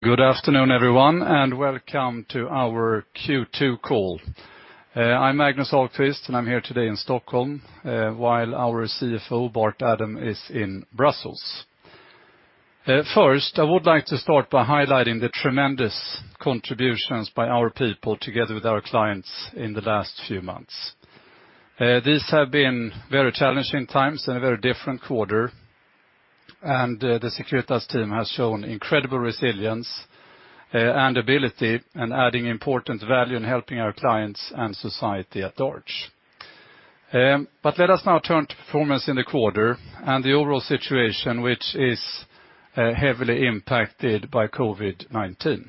Good afternoon, everyone, and welcome to our Q2 call. I'm Magnus Ahlqvist, and I'm here today in Stockholm, while our CFO, Bart Adam, is in Brussels. First, I would like to start by highlighting the tremendous contributions by our people together with our clients in the last few months. These have been very challenging times and a very different quarter, and the Securitas team has shown incredible resilience and ability in adding important value in helping our clients and society at large. Let us now turn to performance in the quarter and the overall situation, which is heavily impacted by COVID-19.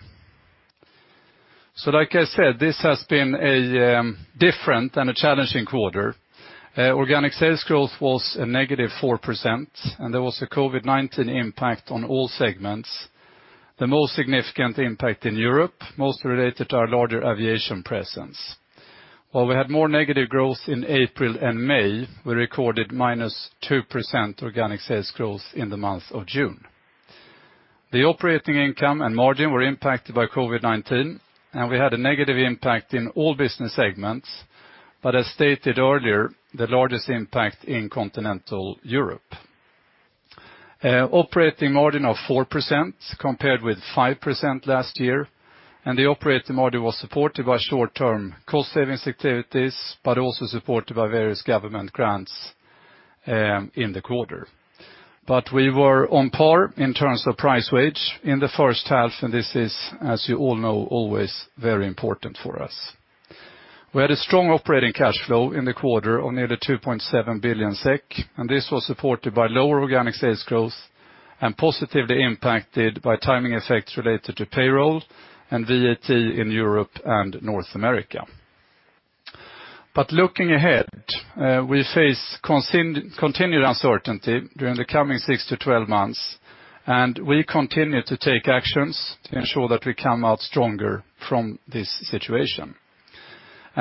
Like I said, this has been a different and a challenging quarter. Organic sales growth was a negative 4%, and there was a COVID-19 impact on all segments. The most significant impact in Europe, most related to our larger aviation presence. While we had more negative growth in April and May, we recorded -2% organic sales growth in the month of June. The operating income and margin were impacted by COVID-19, and we had a negative impact in all business segments. As stated earlier, the largest impact in continental Europe. Operating margin of 4% compared with 5% last year, and the operating margin was supported by short-term cost savings activities, but also supported by various government grants in the quarter. We were on par in terms of price wage in the first half, and this is, as you all know, always very important for us. We had a strong operating cash flow in the quarter of nearly 2.7 billion SEK, and this was supported by lower organic sales growth and positively impacted by timing effects related to payroll and VAT in Europe and North America. Looking ahead, we face continued uncertainty during the coming 6 to 12 months, and we continue to take actions to ensure that we come out stronger from this situation.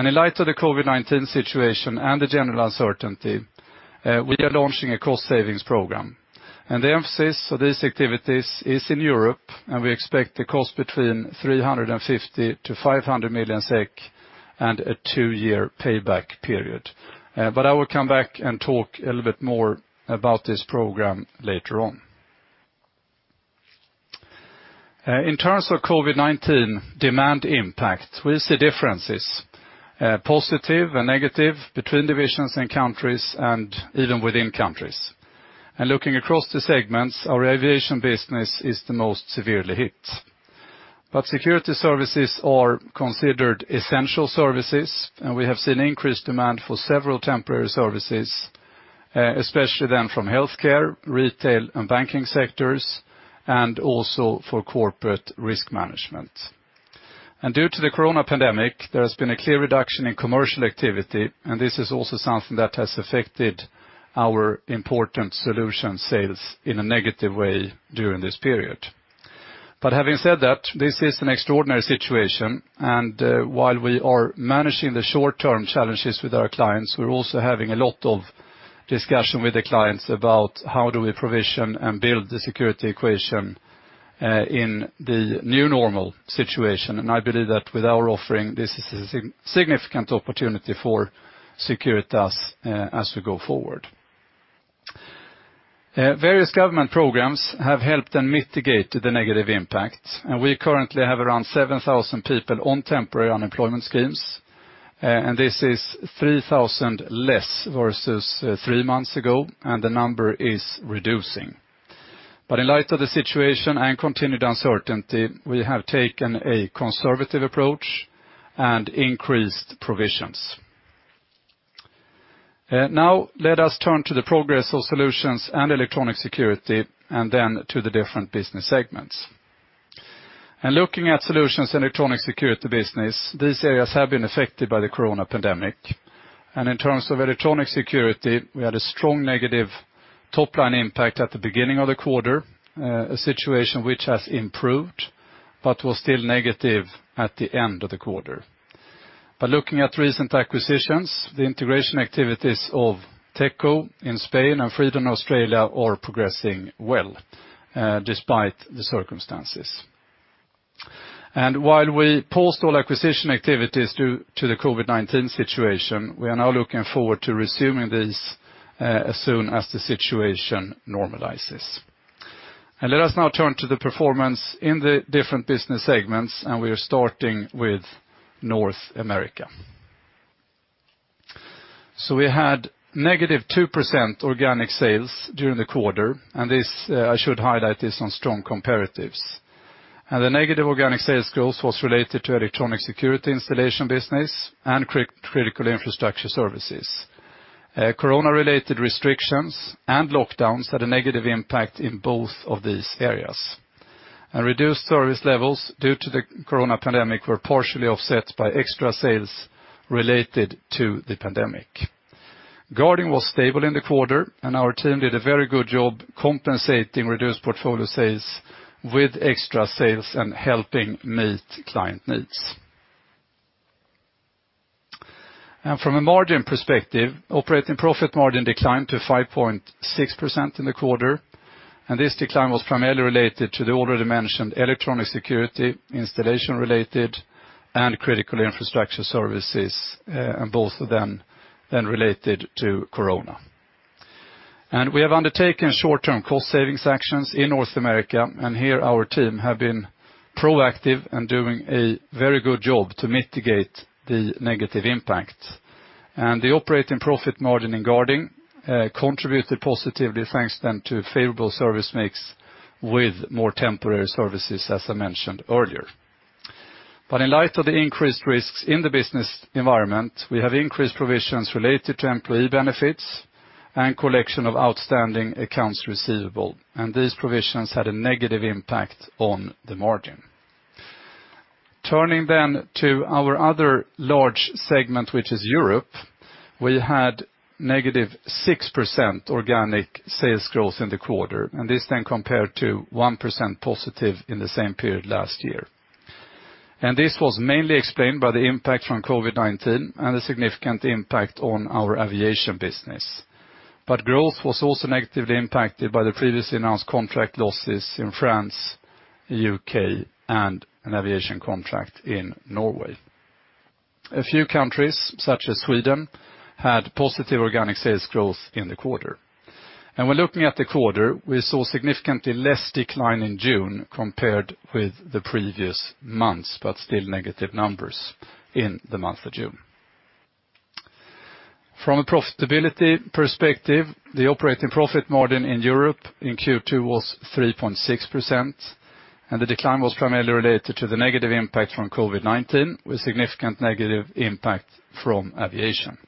In light of the COVID-19 situation and the general uncertainty, we are launching a cost savings program. The emphasis of these activities is in Europe, and we expect the cost between 350 million-500 million SEK and a two year payback period. I will come back and talk a little bit more about this program later on. In terms of COVID-19 demand impact, we see differences, positive and negative, between divisions and countries and even within countries. Looking across the segments, our aviation business is the most severely hit. Security services are considered essential services, and we have seen increased demand for several temporary services, especially then from healthcare, retail, and banking sectors, and also for corporate risk management. Due to the corona pandemic, there has been a clear reduction in commercial activity, and this is also something that has affected our important solution sales in a negative way during this period. Having said that, this is an extraordinary situation, and while we are managing the short-term challenges with our clients, we are also having a lot of discussion with the clients about how do we provision and build the security equation in the new normal situation. I believe that with our offering, this is a significant opportunity for Securitas as we go forward. Various government programs have helped and mitigated the negative impact. We currently have around 7,000 people on temporary unemployment schemes, and this is 3,000 less versus three months ago, and the number is reducing. In light of the situation and continued uncertainty, we have taken a conservative approach and increased provisions. Let us turn to the progress of solutions and electronic security and then to the different business segments. Looking at solutions electronic security business, these areas have been affected by the corona pandemic. In terms of electronic security, we had a strong negative top-line impact at the beginning of the quarter, a situation which has improved but was still negative at the end of the quarter. Looking at recent acquisitions, the integration activities of Techco in Spain and Fredon Australia are progressing well despite the circumstances. While we paused all acquisition activities due to the COVID-19 situation, we are now looking forward to resuming these as soon as the situation normalizes. Let us now turn to the performance in the different business segments, and we are starting with North America. We had negative 2% organic sales during the quarter, and I should highlight this on strong comparatives. The negative organic sales growth was related to electronic security installation business and critical infrastructure services. Corona-related restrictions and lockdowns had a negative impact in both of these areas. Reduced service levels due to the corona pandemic were partially offset by extra sales related to the pandemic. Guarding was stable in the quarter, and our team did a very good job compensating reduced portfolio sales with extra sales and helping meet client needs. From a margin perspective, operating profit margin declined to 5.6% in the quarter, and this decline was primarily related to the already mentioned electronic security, installation related, and Securitas Critical Infrastructure Services, and both of them then related to COVID-19. We have undertaken short-term cost savings actions in North America, and here our team have been proactive and doing a very good job to mitigate the negative impact. The operating profit margin in Guarding contributed positively, thanks then to favorable service mix with more temporary services, as I mentioned earlier. In light of the increased risks in the business environment, we have increased provisions related to employee benefits and collection of outstanding accounts receivable, and these provisions had a negative impact on the margin. Turning to our other large segment, which is Europe, we had negative 6% organic sales growth in the quarter, this compared to 1% positive in the same period last year. This was mainly explained by the impact from COVID-19 and the significant impact on our aviation business. Growth was also negatively impacted by the previously announced contract losses in France, U.K., and an aviation contract in Norway. A few countries, such as Sweden, had positive organic sales growth in the quarter. When looking at the quarter, we saw significantly less decline in June compared with the previous months, still negative numbers in the month of June. From a profitability perspective, the operating profit margin in Europe in Q2 was 3.6%, and the decline was primarily related to the negative impact from COVID-19, with significant negative impact from aviation.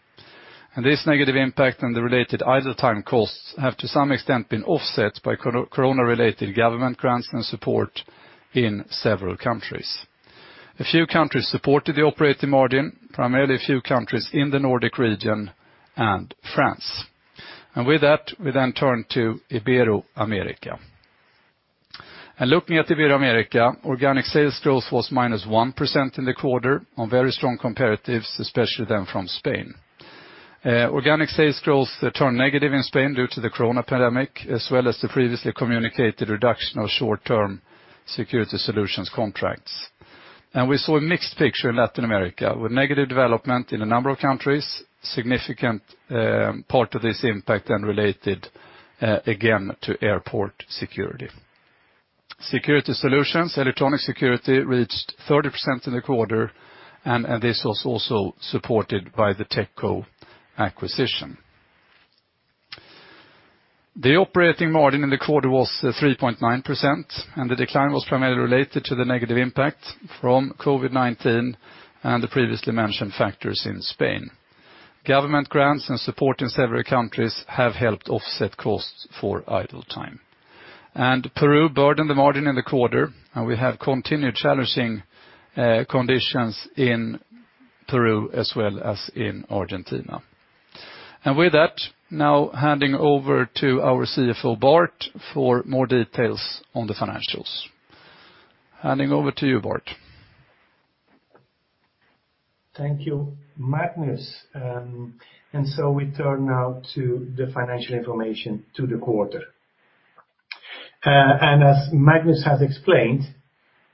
This negative impact and the related idle time costs have, to some extent, been offset by COVID-related government grants and support in several countries. A few countries supported the operating margin, primarily a few countries in the Nordic region and France. With that, we then turn to Ibero-America. Looking at Ibero-America, organic sales growth was minus 1% in the quarter on very strong comparatives, especially then from Spain. Organic sales growth turned negative in Spain due to the COVID pandemic, as well as the previously communicated reduction of short-term security solutions contracts. We saw a mixed picture in Latin America, with negative development in a number of countries, significant part of this impact then related again to airport security. Security solutions, electronic security reached 30% in the quarter, this was also supported by the Techco acquisition. The operating margin in the quarter was 3.9%, the decline was primarily related to the negative impact from COVID-19 and the previously mentioned factors in Spain. Government grants and support in several countries have helped offset costs for idle time. Peru burdened the margin in the quarter, we have continued challenging conditions in Peru as well as in Argentina. With that, now handing over to our CFO, Bart, for more details on the financials. Handing over to you, Bart. Thank you, Magnus. We turn now to the financial information to the quarter. As Magnus has explained,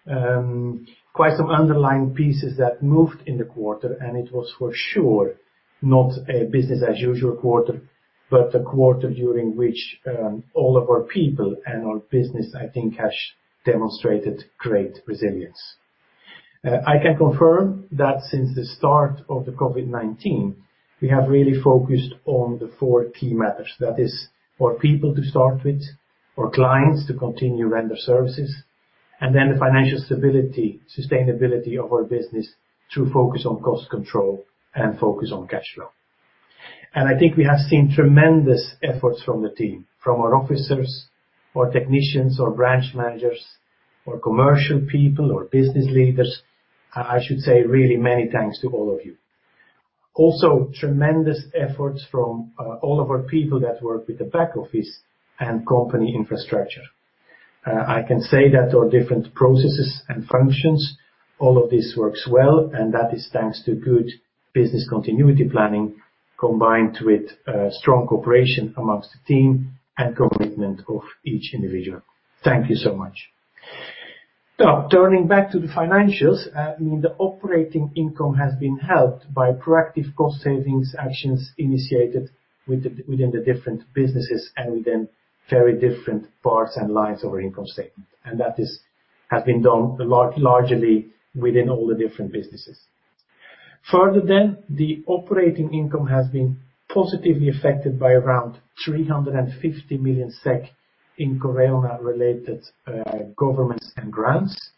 quite some underlying pieces that moved in the quarter, and it was for sure not a business as usual quarter, but a quarter during which all of our people and our business, I think, has demonstrated great resilience. I can confirm that since the start of the COVID-19, we have really focused on the four key matters. That is for people to start with, for clients to continue render services, and then the financial stability, sustainability of our business through focus on cost control and focus on cash flow. I think we have seen tremendous efforts from the team, from our officers, our technicians, our branch managers, our commercial people, our business leaders. I should say really many thanks to all of you. Tremendous efforts from all of our people that work with the back office and company infrastructure. I can say that our different processes and functions, all of this works well, and that is thanks to good business continuity planning combined with strong cooperation amongst the team and commitment of each individual. Thank you so much. Now, turning back to the financials, the operating income has been helped by proactive cost savings actions initiated within the different businesses and within very different parts and lines of our income statement. That has been done largely within all the different businesses. Further, the operating income has been positively affected by around 350 million SEK in corona related governments and grants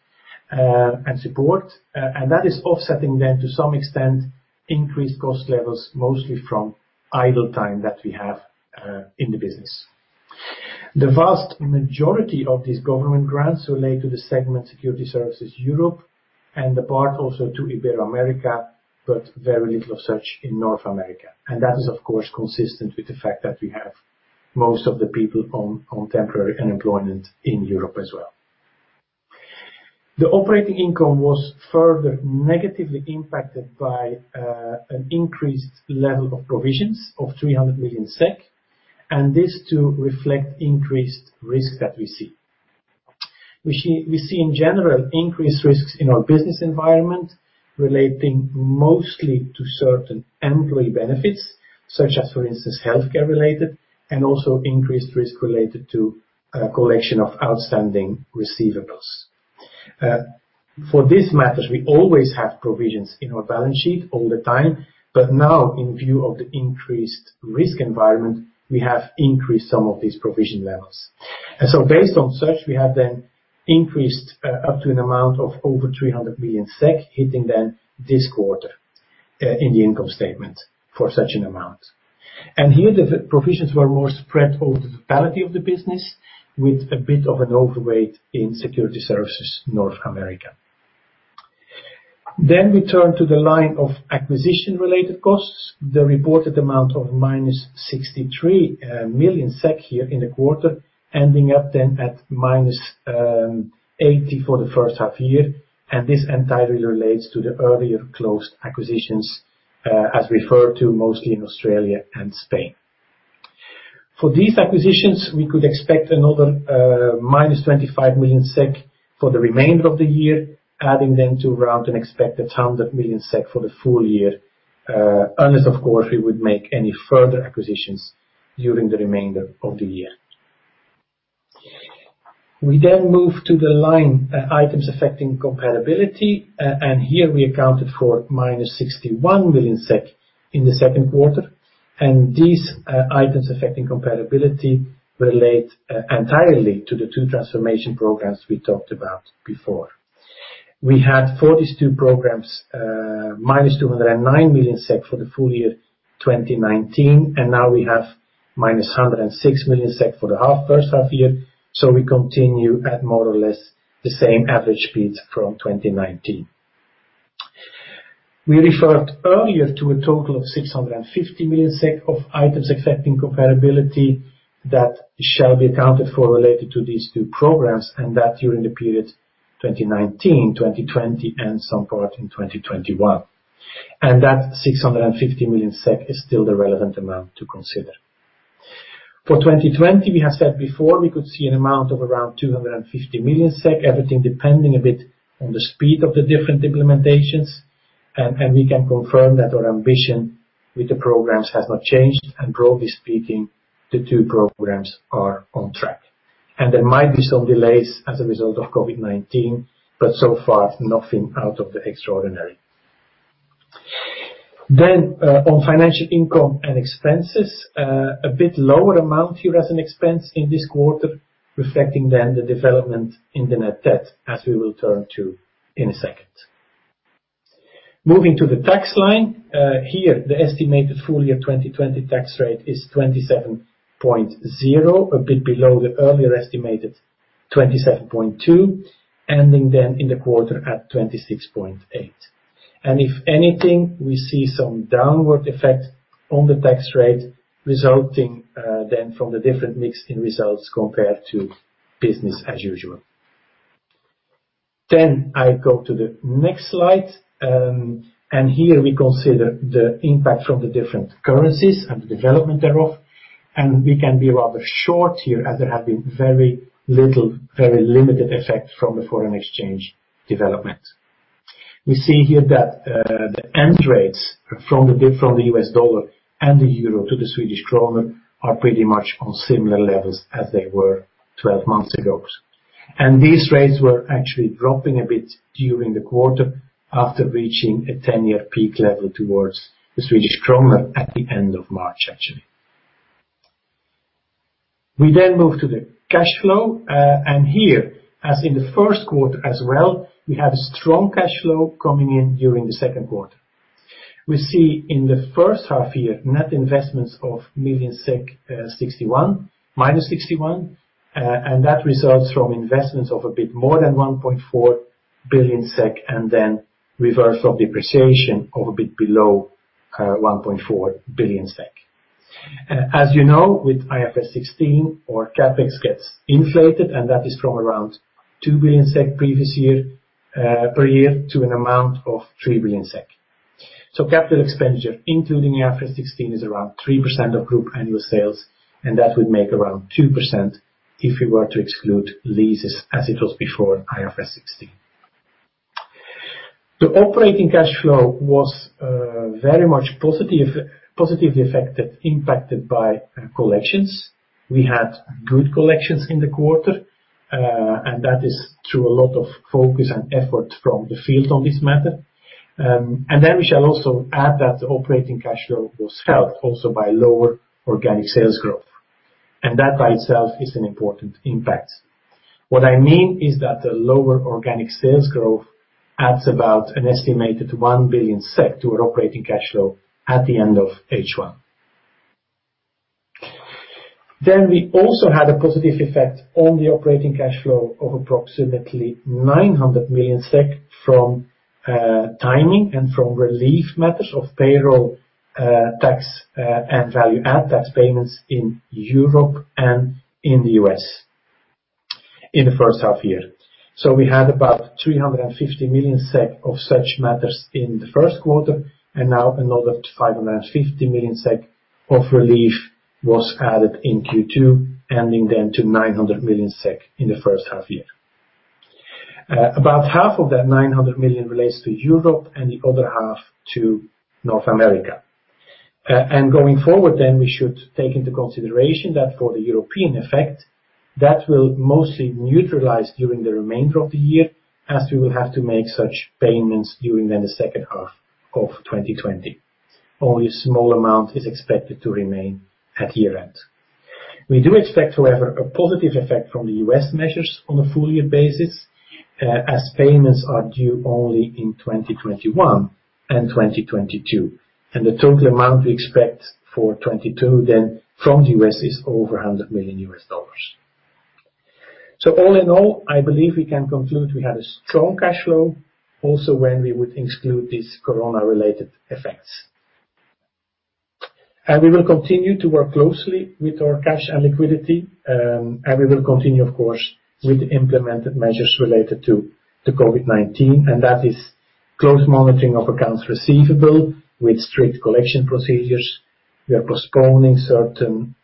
and support. That is offsetting then to some extent increased cost levels, mostly from idle time that we have in the business. The vast majority of these government grants relate to the segment Security Services Europe and the part also to Ibero-America, but very little of such in North America. That is, of course, consistent with the fact that we have most of the people on temporary unemployment in Europe as well. The operating income was further negatively impacted by an increased level of provisions of 300 million SEK, and this to reflect increased risk that we see. We see in general increased risks in our business environment relating mostly to certain employee benefits, such as, for instance, healthcare-related, and also increased risk related to collection of outstanding receivables. For these matters, we always have provisions in our balance sheet all the time, but now in view of the increased risk environment, we have increased some of these provision levels. Based on such, we have then increased up to an amount of over 300 million SEK, hitting then this quarter in the income statement for such an amount. Here the provisions were more spread over the parity of the business with a bit of an overweight in Security Services North America. We turn to the line of acquisition related costs, the reported amount of minus 63 million SEK here in the quarter, ending up then at minus 80 for the first half year, and this entirely relates to the earlier closed acquisitions, as referred to mostly in Australia and Spain. For these acquisitions, we could expect another minus 25 million SEK for the remainder of the year, adding then to around an expected 100 million SEK for the full year, unless of course, we would make any further acquisitions during the remainder of the year. We move to the line items affecting comparability, and here we accounted for minus 61 million SEK in the second quarter, and these items affecting comparability relate entirely to the two transformation programs we talked about before. We had for these two programs minus 209 million SEK for the full year 2019, and now we have minus 106 million SEK for the first half year, so we continue at more or less the same average speeds from 2019. We referred earlier to a total of 650 million SEK of items affecting comparability that shall be accounted for related to these two programs, and that during the period 2019, 2020, and some part in 2021. That 650 million SEK is still the relevant amount to consider. For 2020, we have said before we could see an amount of around 250 million SEK, everything depending a bit on the speed of the different implementations, and we can confirm that our ambition with the programs has not changed, and broadly speaking, the two programs are on track. There might be some delays as a result of COVID-19, but so far nothing out of the extraordinary. On financial income and expenses, a bit lower amount here as an expense in this quarter, reflecting then the development in the net debt, as we will turn to in a second. Moving to the tax line. Here, the estimated full year 2020 tax rate is 27.0%, a bit below the earlier estimated 27.2%, ending then in the quarter at 26.8%. If anything, we see some downward effect on the tax rate resulting then from the different mix in results compared to business as usual. I go to the next slide, and here we consider the impact from the different currencies and the development thereof, and we can be rather short here as there have been very little, very limited effect from the foreign exchange development. We see here that the end rates from the US dollar and the euro to the Swedish krona are pretty much on similar levels as they were 12 months ago. These rates were actually dropping a bit during the quarter after reaching a 10-year peak level towards the Swedish krona at the end of March, actually. We then move to the cash flow, and here, as in the first quarter as well, we have a strong cash flow coming in during the second quarter. We see in the first half year net investments of 61 million, minus 61 million, that results from investments of a bit more than 1.4 billion SEK and then reverse of depreciation of a bit below 1.4 billion SEK. As you know, with IFRS 16, our CapEx gets inflated, that is from around 2 billion SEK previous year, per year to an amount of 3 billion SEK. Capital expenditure, including IFRS 16, is around 3% of group annual sales, that would make around 2% if we were to exclude leases as it was before IFRS 16. The operating cash flow was very much positively affected, impacted by collections. We had good collections in the quarter. That is through a lot of focus and effort from the field on this matter. We shall also add that the operating cash flow was helped also by lower organic sales growth. That by itself is an important impact. What I mean is that the lower organic sales growth adds about an estimated 1 billion SEK to our operating cash flow at the end of H1. We also had a positive effect on the operating cash flow of approximately 900 million SEK from timing and from relief matters of payroll tax and value-add tax payments in Europe and in the U.S. in the first half year. We had about 350 million SEK of such matters in the first quarter, now another 550 million SEK of relief was added in Q2, ending to 900 million SEK in the first half year. About half of that 900 million relates to Europe and the other half to North America. Going forward we should take into consideration that for the European effect, that will mostly neutralize during the remainder of the year as we will have to make such payments during the second half of 2020. Only a small amount is expected to remain at year-end. We do expect, however, a positive effect from the U.S. measures on a full-year basis, as payments are due only in 2021 and 2022. The total amount we expect for 2022 from the U.S. is over $100 million. All in all, I believe we can conclude we had a strong cash flow also when we would exclude these COVID-19-related effects. We will continue to work closely with our cash and liquidity, and we will continue, of course, with the implemented measures related to COVID-19, and that is close monitoring of accounts receivable with strict collection procedures. We are postponing certain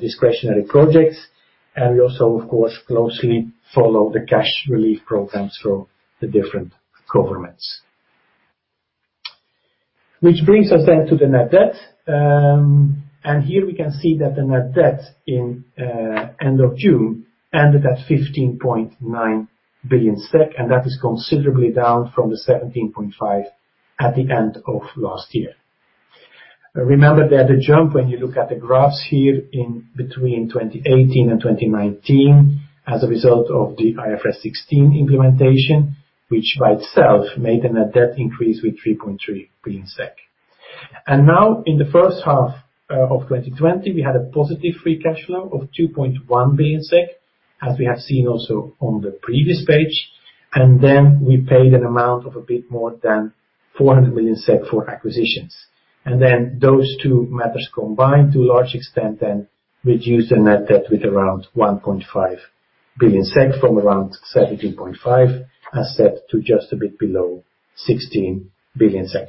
discretionary projects, and we also, of course, closely follow the cash relief programs from the different governments. This brings us then to the net debt. Here we can see that the net debt at the end of June ended at 15.9 billion SEK, and that is considerably down from 17.5 billion at the end of last year. Remember that the jump when you look at the graphs here in between 2018 and 2019 as a result of the IFRS 16 implementation, which by itself made a net debt increase with 3.3 billion SEK. Now in the first half of 2020, we had a positive free cash flow of 2.1 billion SEK, as we have seen also on the previous page. Then we paid an amount of a bit more than 400 million SEK for acquisitions. Then those two matters combined to a large extent then reduced the net debt with around 1.5 billion SEK from around 17.5 billion, as set to just a bit below 16 billion SEK.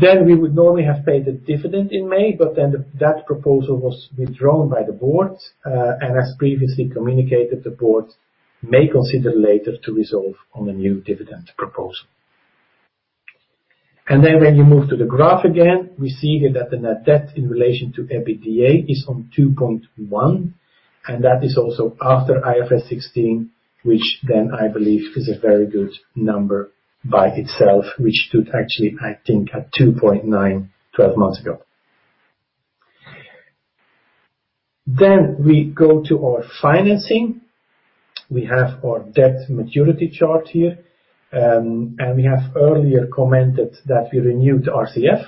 We would normally have paid the dividend in May, but then that proposal was withdrawn by the board. As previously communicated, the board may consider later to resolve on a new dividend proposal. When you move to the graph again, we see here that the net debt in relation to EBITDA is on 2.1, and that is also after IFRS 16, which then I believe is a very good number by itself, which stood actually, I think, at 2.9 12 months ago. We go to our financing. We have our debt maturity chart here. We have earlier commented that we renewed RCF.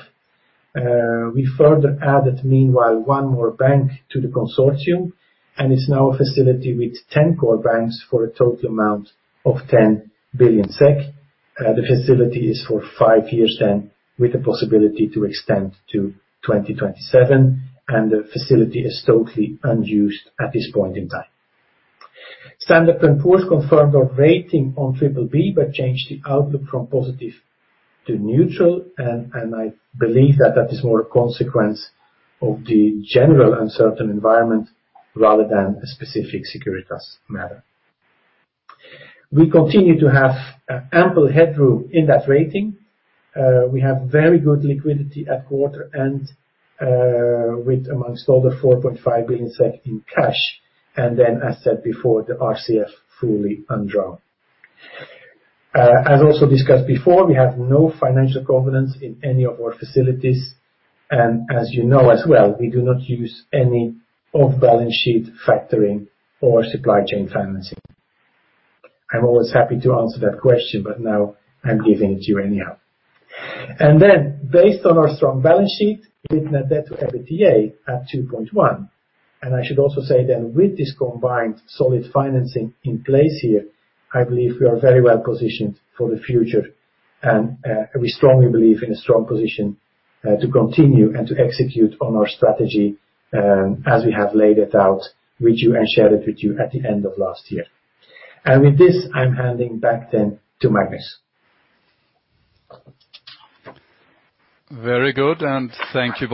We further added meanwhile one more bank to the consortium, and it's now a facility with 10 core banks for a total amount of 10 billion SEK. The facility is for five years then with the possibility to extend to 2027, and the facility is totally unused at this point in time. Standard & Poor's confirmed our rating on BBB but changed the outlook from positive to neutral. I believe that that is more a consequence of the general uncertain environment rather than a specific Securitas matter. We continue to have ample headroom in that rating. We have very good liquidity at quarter end, with amongst all the 4.5 billion SEK in cash, and then, as said before, the RCF fully undrawn. As also discussed before, we have no financial covenants in any of our facilities. As you know as well, we do not use any off-balance sheet factoring or supply chain financing. I'm always happy to answer that question, but now I'm giving it to you anyhow. Based on our strong balance sheet with net debt to EBITDA at 2.1, and I should also say then with this combined solid financing in place here, I believe we are very well positioned for the future. We strongly believe in a strong position to continue and to execute on our strategy as we have laid it out with you and shared it with you at the end of last year. With this, I'm handing back then to Magnus. Very good, thank you,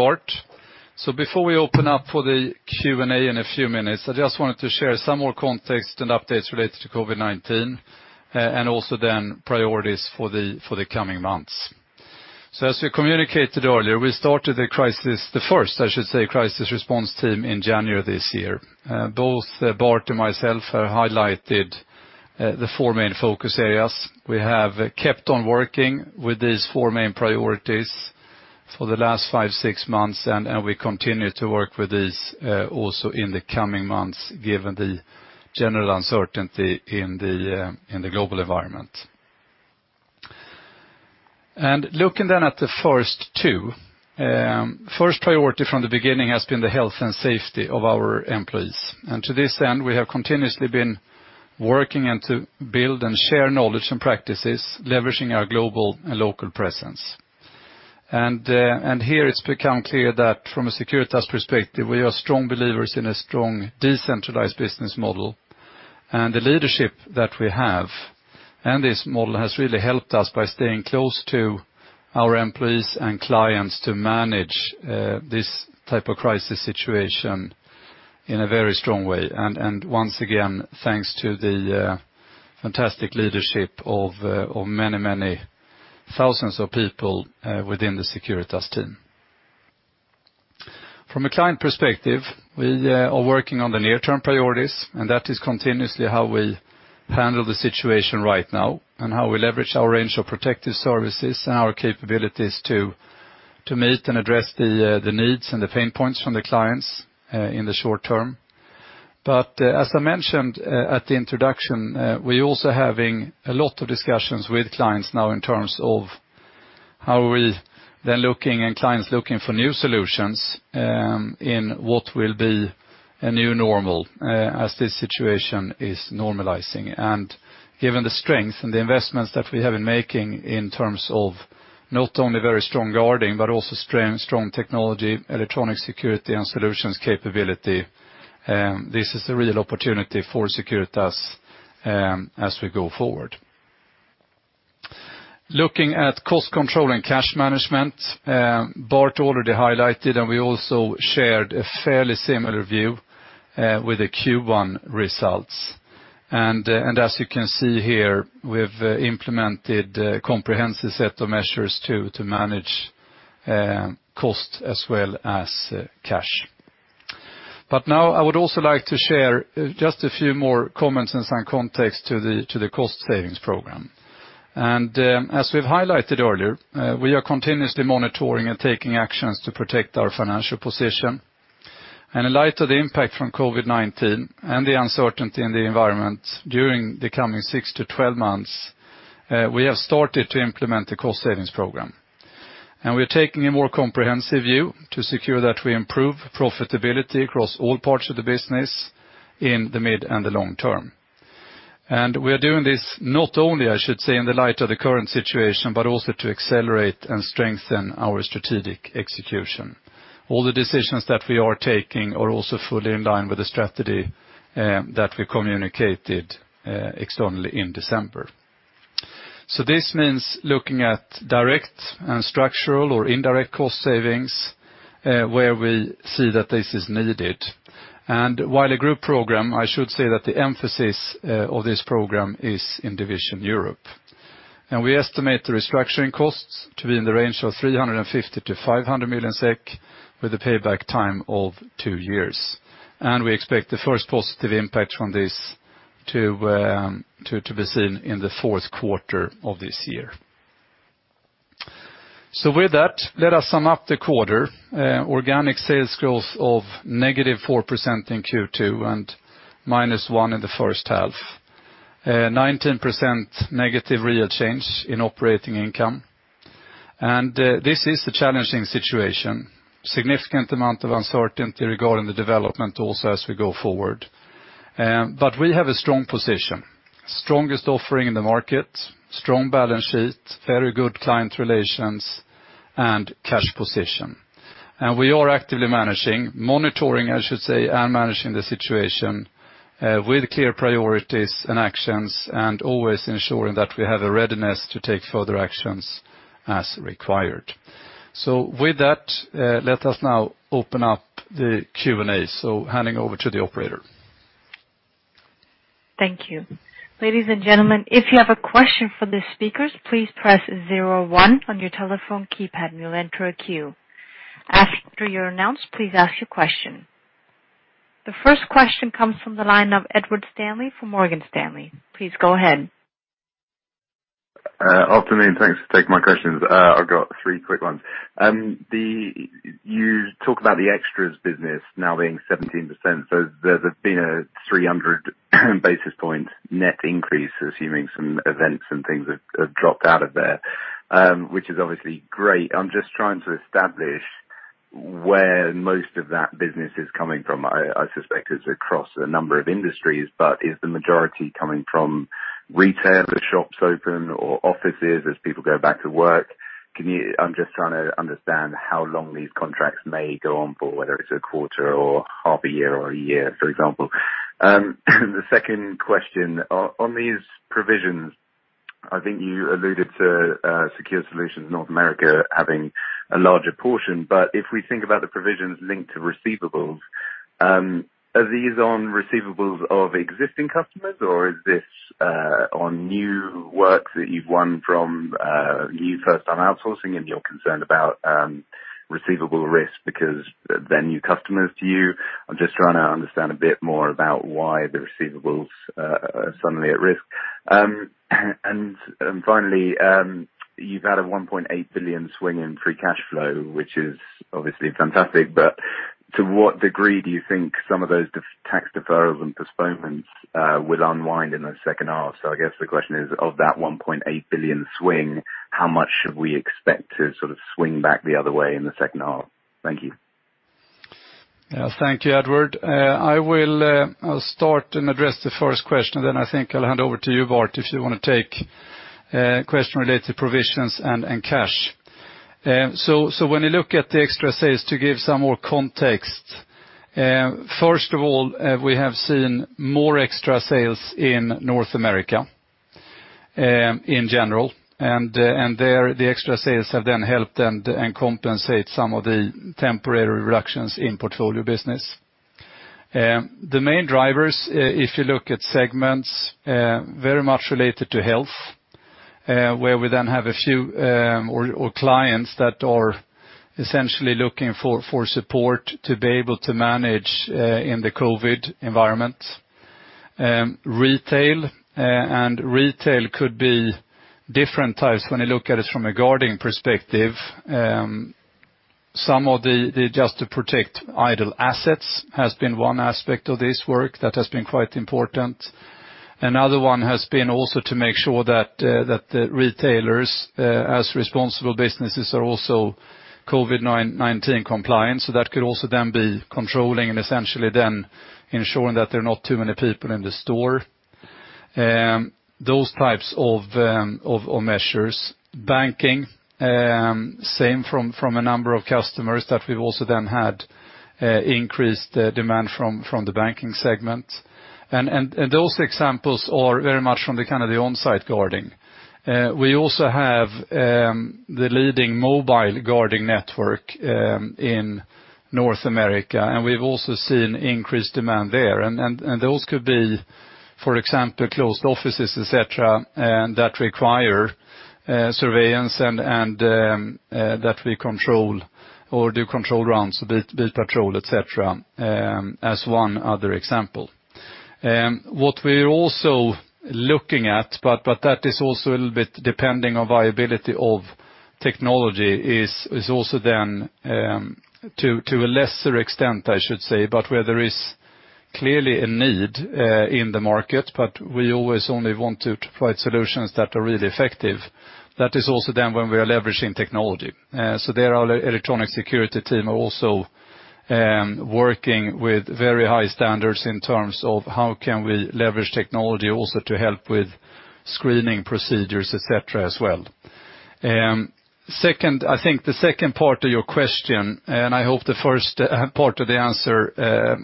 Bart. Before we open up for the Q&A in a few minutes, I just wanted to share some more context and updates related to COVID-19, and also then priorities for the coming months. As we communicated earlier, we started the first, I should say, crisis response team in January this year. Both Bart and myself highlighted the four main focus areas. We have kept on working with these four main priorities for the last five, six months, and we continue to work with these, also in the coming months, given the general uncertainty in the global environment. Looking then at the first two, first priority from the beginning has been the health and safety of our employees. To this end, we have continuously been working and to build and share knowledge and practices, leveraging our global and local presence. Here it's become clear that from a Securitas perspective, we are strong believers in a strong decentralized business model. The leadership that we have, and this model has really helped us by staying close to our employees and clients to manage this type of crisis situation in a very strong way. Once again, thanks to the fantastic leadership of many, many thousands of people within the Securitas team. From a client perspective, we are working on the near-term priorities, and that is continuously how we handle the situation right now, and how we leverage our range of protective services and our capabilities to meet and address the needs and the pain points from the clients in the short term. As I mentioned at the introduction, we're also having a lot of discussions with clients now in terms of how we, then looking and clients looking for new solutions in what will be a new normal as this situation is normalizing. Given the strength and the investments that we have been making in terms of not only very strong guarding, but also strong technology, electronic security, and solutions capability, this is a real opportunity for Securitas as we go forward. Looking at cost control and cash management, Bart already highlighted, and we also shared a fairly similar view with the Q1 results. As you can see here, we've implemented a comprehensive set of measures to manage cost as well as cash. Now I would also like to share just a few more comments and some context to the cost savings program. As we've highlighted earlier, we are continuously monitoring and taking actions to protect our financial position. In light of the impact from COVID-19 and the uncertainty in the environment during the coming 6 to 12 months, we have started to implement the cost savings program. We're taking a more comprehensive view to secure that we improve profitability across all parts of the business in the mid and the long term. We are doing this not only, I should say, in the light of the current situation, but also to accelerate and strengthen our strategic execution. All the decisions that we are taking are also fully in line with the strategy that we communicated externally in December. This means looking at direct and structural or indirect cost savings where we see that this is needed. While a group program, I should say that the emphasis of this program is in Division Europe. We estimate the restructuring costs to be in the range of 350 million-500 million SEK with a payback time of two years. We expect the first positive impact from this to be seen in the fourth quarter of this year. With that, let us sum up the quarter. Organic sales growth of -4% in Q2 and -1% in the first half. -19% real change in operating income. This is a challenging situation. Significant amount of uncertainty regarding the development also as we go forward. We have a strong position. Strongest offering in the market, strong balance sheet, very good client relations, and cash position. We are actively monitoring, I should say, and managing the situation with clear priorities and actions and always ensuring that we have a readiness to take further actions as required. With that, let us now open up the Q&A. Handing over to the operator. Thank you. Ladies and gentlemen, if you have a question for the speakers, please press zero one on your telephone keypad and you'll enter a queue. After you're announced, please ask your question. The first question comes from the line of Edward Stanley from Morgan Stanley. Please go ahead. Afternoon, thanks for taking my questions. I've got three quick ones. You talk about the extras business now being 17%, so there's been a 300 basis point net increase, assuming some events and things have dropped out of there, which is obviously great. I'm just trying to establish where most of that business is coming from. I suspect it's across a number of industries, but is the majority coming from retail, the shops open, or offices as people go back to work? I'm just trying to understand how long these contracts may go on for, whether it's a quarter or half a year or a year, for example. The second question, on these provisions, I think you alluded to Security Services North America having a larger portion, if we think about the provisions linked to receivables, are these on receivables of existing customers, or is this on new work that you've won from new first-time outsourcing and you're concerned about receivable risk because they're new customers to you? I'm just trying to understand a bit more about why the receivables are suddenly at risk. Finally, you've had a 1.8 billion swing in free cash flow, which is obviously fantastic, to what degree do you think some of those tax deferrals and postponements will unwind in the second half? I guess the question is, of that 1.8 billion swing, how much should we expect to sort of swing back the other way in the second half? Thank you. Yes. Thank you, Edward. I will start and address the first question, then I think I'll hand over to you, Bart, if you want to take a question related to provisions and cash. When you look at the extra sales, to give some more context, first of all, we have seen more extra sales in North America in general. There, the extra sales have then helped them and compensate some of the temporary reductions in portfolio business. The main drivers, if you look at segments, very much related to health, where we then have a few clients that are essentially looking for support to be able to manage in the COVID environment. Retail, and retail could be different types when you look at it from a guarding perspective. Just to protect idle assets has been one aspect of this work that has been quite important. Another one has been also to make sure that the retailers, as responsible businesses, are also COVID-19 compliant, that could also then be controlling and essentially then ensuring that there are not too many people in the store. Those types of measures. Banking, same from a number of customers that we've also then had increased demand from the banking segment. Those examples are very much from the onsite guarding. We also have the leading mobile guarding network in North America, and we've also seen increased demand there. Those could be, for example, closed offices, et cetera, that require surveillance and that we control or do control rounds, beat patrol, et cetera, as one other example. What we're also looking at, but that is also a little bit depending on viability of technology, is also then to a lesser extent, I should say, but where there is clearly a need in the market, but we always only want to provide solutions that are really effective. That is also then when we are leveraging technology. There our electronic security team are also working with very high standards in terms of how can we leverage technology also to help with screening procedures, et cetera, as well. I think the second part of your question, and I hope the first part of the answer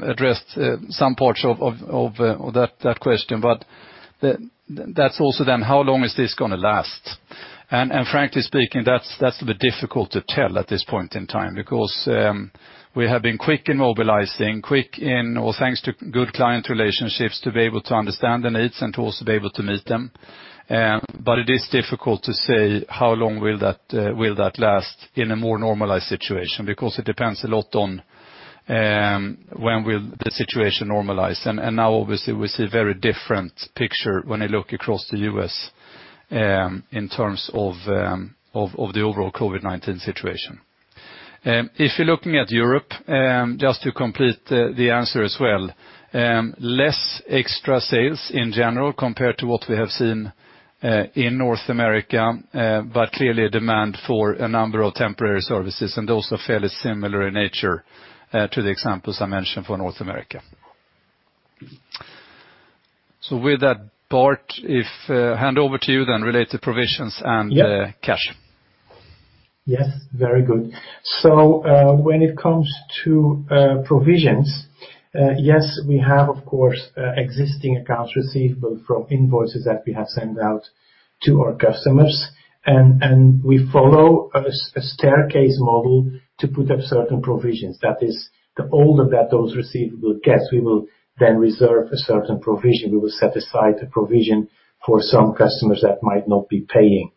addressed some parts of that question, but that's also then how long is this going to last? Frankly speaking, that's a bit difficult to tell at this point in time because we have been quick in mobilizing, thanks to good client relationships, to be able to understand the needs and to also be able to meet them. It is difficult to say how long will that last in a more normalized situation, because it depends a lot on when will the situation normalize. Now, obviously, we see a very different picture when I look across the U.S. in terms of the overall COVID-19 situation. If you're looking at Europe, just to complete the answer as well, less extra sales in general compared to what we have seen in North America, but clearly a demand for a number of temporary services, and those are fairly similar in nature to the examples I mentioned for North America. With that, Bart, if I hand over to you then related to provisions and cash. Yes, very good. When it comes to provisions, yes, we have, of course, existing accounts receivable from invoices that we have sent out to our customers, and we follow a staircase model to put up certain provisions. That is, the older that those receivable gets, we will then reserve a certain provision. We will set aside a provision for some customers that might not be paying.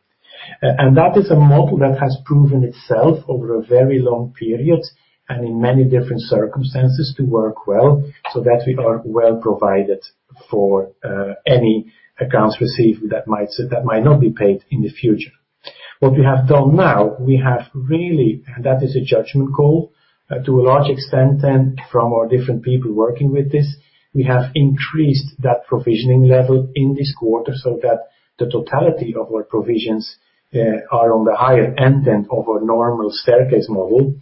That is a model that has proven itself over a very long period and in many different circumstances to work well so that we are well provided for any accounts receivable that might not be paid in the future. What we have done now, we have really, and that is a judgment call to a large extent then from our different people working with this, we have increased that provisioning level in this quarter so that the totality of our provisions are on the higher end than of a normal staircase model,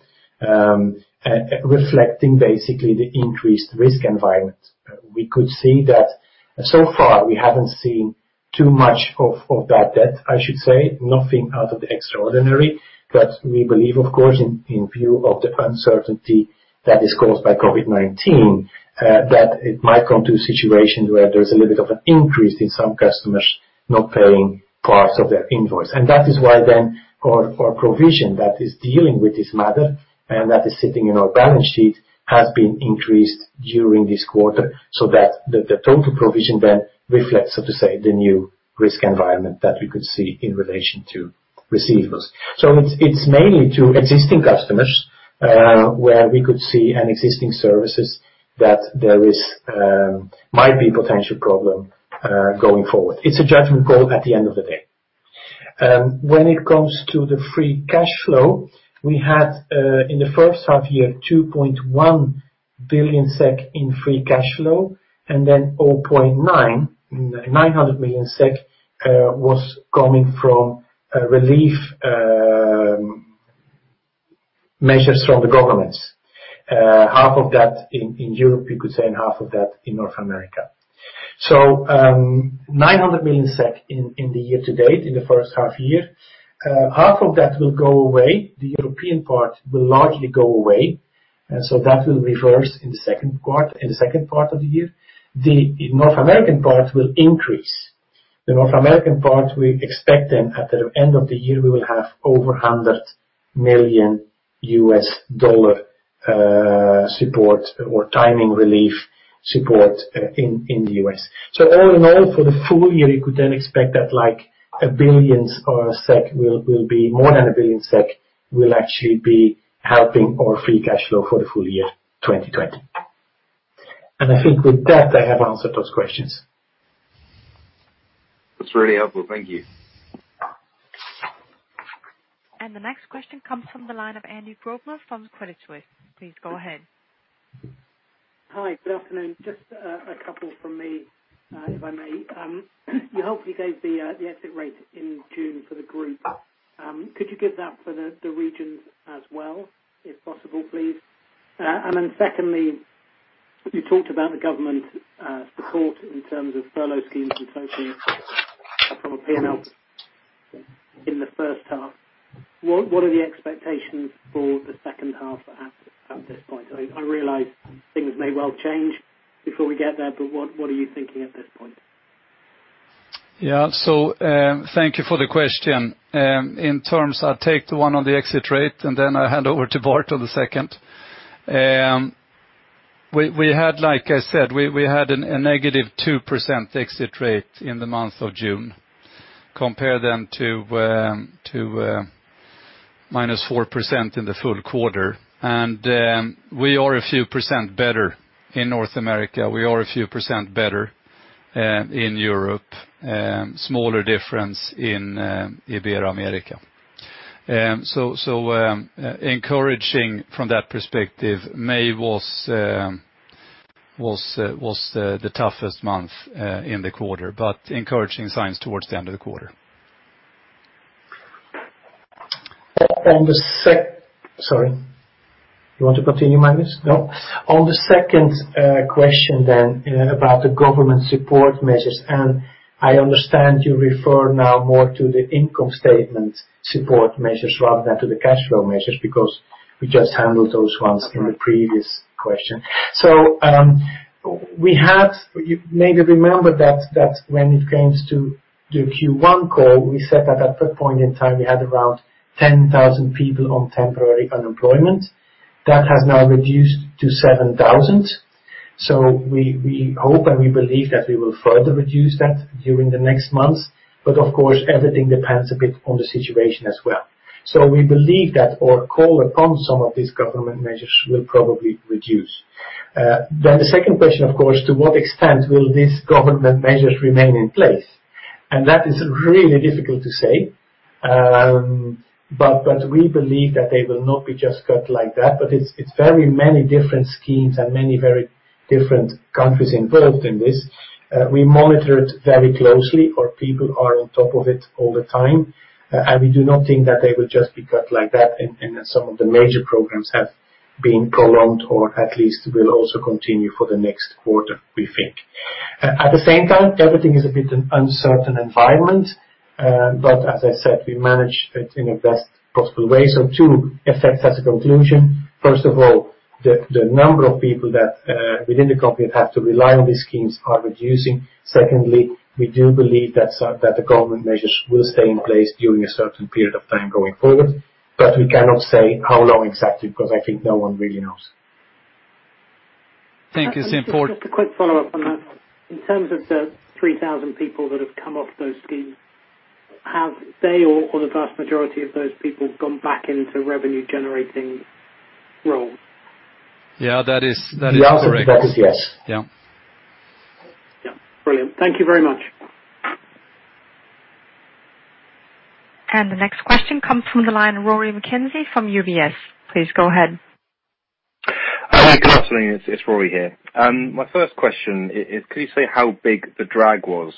reflecting basically the increased risk environment. We could see that so far we haven't seen too much of that debt, I should say. Nothing out of the extraordinary, we believe, of course, in view of the uncertainty that is caused by COVID-19, that it might come to a situation where there's a little bit of an increase in some customers not paying parts of their invoice. That is why our provision that is dealing with this matter and that is sitting in our balance sheet, has been increased during this quarter, so that the total provision reflects the new risk environment that we could see in relation to receivables. It's mainly to existing customers, where we could see in existing services that there might be a potential problem going forward. It's a judgment call at the end of the day. When it comes to the free cash flow, we had in the first half year 2.1 billion SEK in free cash flow, 900 million SEK was coming from relief measures from the governments. Half of that in Europe, and half of that in North America. 900 million SEK in the year to date, in the first half year. Half of that will go away. The European part will largely go away, and so that will reverse in the second part of the year. The North American part will increase. The North American part, we expect then at the end of the year, we will have over $100 million support or timing relief support in the U.S. All in all, for the full year, you could then expect that more than 1 billion SEK will actually be helping our free cash flow for the full year 2020. I think with that, I have answered those questions. That's really helpful. Thank you. The next question comes from the line of Andy Grobler from Credit Suisse. Please go ahead. Hi, good afternoon. Just a couple from me, if I may. You helpfully gave the exit rate in June for the group. Could you give that for the regions as well, if possible, please? Secondly, you talked about the government support in terms of furlough schemes and so forth from a P&L in the first half. What are the expectations for the second half at this point? I realize things may well change before we get there, but what are you thinking at this point? Yeah. Thank you for the question. I'll take the one on the exit rate, and then I hand over to Bart on the second. Like I said, we had a -2% exit rate in the month of June, compare them to -4% in the full quarter. We are a few % better in North America. We are a few % better in Europe, smaller difference in Ibero-America. Encouraging from that perspective, May was the toughest month in the quarter, but encouraging signs towards the end of the quarter. You want to continue, Magnus? No. On the second question about the government support measures, and I understand you refer now more to the income statement support measures rather than to the cash flow measures, because we just handled those ones in the previous question. We had, you maybe remember that when it came to the Q1 call, we said that at that point in time, we had around 10,000 people on temporary unemployment. That has now reduced to 7,000. We hope and we believe that we will further reduce that during the next months. Of course, everything depends a bit on the situation as well. We believe that our call upon some of these government measures will probably reduce. The second question, of course, to what extent will these government measures remain in place? That is really difficult to say. We believe that they will not be just cut like that, but it's very many different schemes and many very different countries involved in this. We monitor it very closely. Our people are on top of it all the time, and we do not think that they will just be cut like that, and that some of the major programs have been prolonged or at least will also continue for the next quarter, we think. At the same time, everything is a bit an uncertain environment. As I said, we manage it in the best possible way. Two effects as a conclusion. First of all, the number of people that within the company have to rely on these schemes are reducing. Secondly, we do believe that the government measures will stay in place during a certain period of time going forward. We cannot say how long exactly, because I think no one really knows. Thank you. Just a quick follow-up on that. In terms of the 3,000 people that have come off those schemes, have they or the vast majority of those people gone back into revenue generating roles? Yeah. That is correct. The answer to that is yes. Yeah. Yeah. Brilliant. Thank you very much. The next question comes from the line of Rory McKenzie from UBS. Please go ahead. Good afternoon. It's Rory here. My first question is, could you say how big the drag was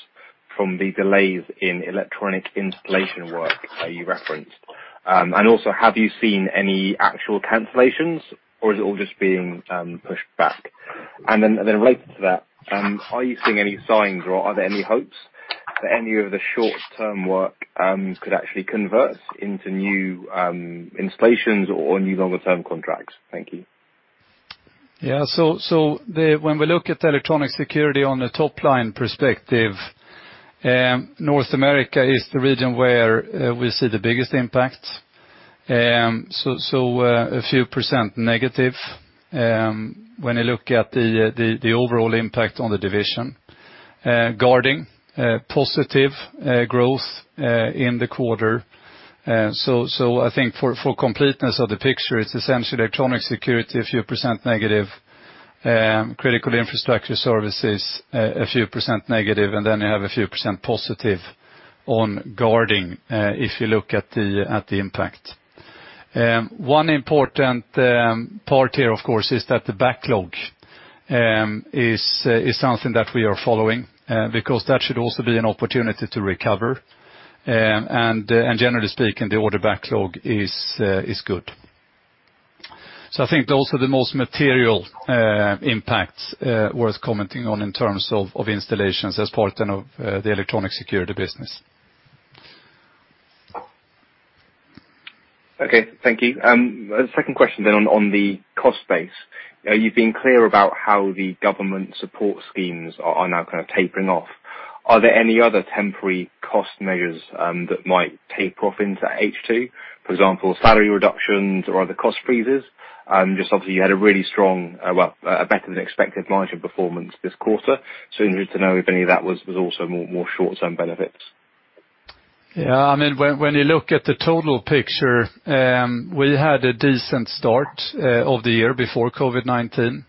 from the delays in electronic installation work that you referenced? Also, have you seen any actual cancellations or is it all just being pushed back? Related to that, are you seeing any signs or are there any hopes that any of the short-term work could actually convert into new installations or new longer-term contracts? Thank you. Yeah. When we look at electronic security on a top-line perspective, North America is the region where we see the biggest impact. A few percent negative, when you look at the overall impact on the division. Guarding, positive growth in the quarter. I think for completeness of the picture, it's essentially electronic security, a few percent negative. Critical Infrastructure Services, a few percent negative, and then you have a few percent positive on guarding, if you look at the impact. One important part here, of course, is that the backlog is something that we are following because that should also be an opportunity to recover. Generally speaking, the order backlog is good. I think those are the most material impacts worth commenting on in terms of installations as part of the electronic security business. Okay. Thank you. Second question on the cost base. You've been clear about how the government support schemes are now kind of tapering off. Are there any other temporary cost measures that might taper off into H2? For example, salary reductions or other cost freezes? Just obviously you had a really strong, well, a better than expected margin performance this quarter. Interested to know if any of that was also more short-term benefits. When you look at the total picture, we had a decent start of the year before COVID-19,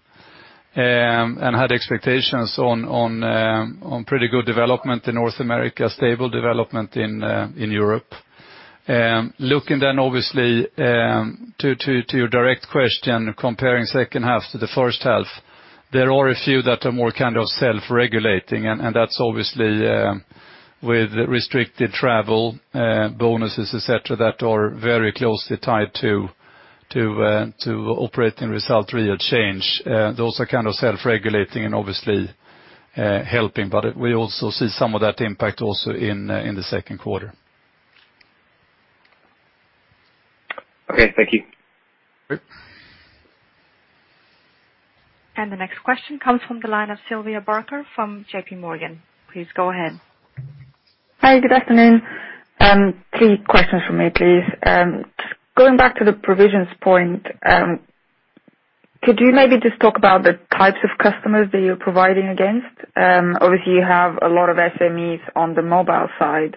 and had expectations on pretty good development in North America, stable development in Europe. Looking obviously to your direct question, comparing second half to the first half, there are a few that are more kind of self-regulating, and that's obviously with restricted travel, bonuses, et cetera, that are very closely tied to operating result real change. Those are kind of self-regulating and obviously helping. We also see some of that impact also in the second quarter. Okay, thank you. Sure. The next question comes from the line of Sylvia Barker from JPMorgan. Please go ahead. Hi, good afternoon. Three questions from me, please. Just going back to the provisions point, could you maybe just talk about the types of customers that you're providing against? Obviously you have a lot of SMEs on the mobile side.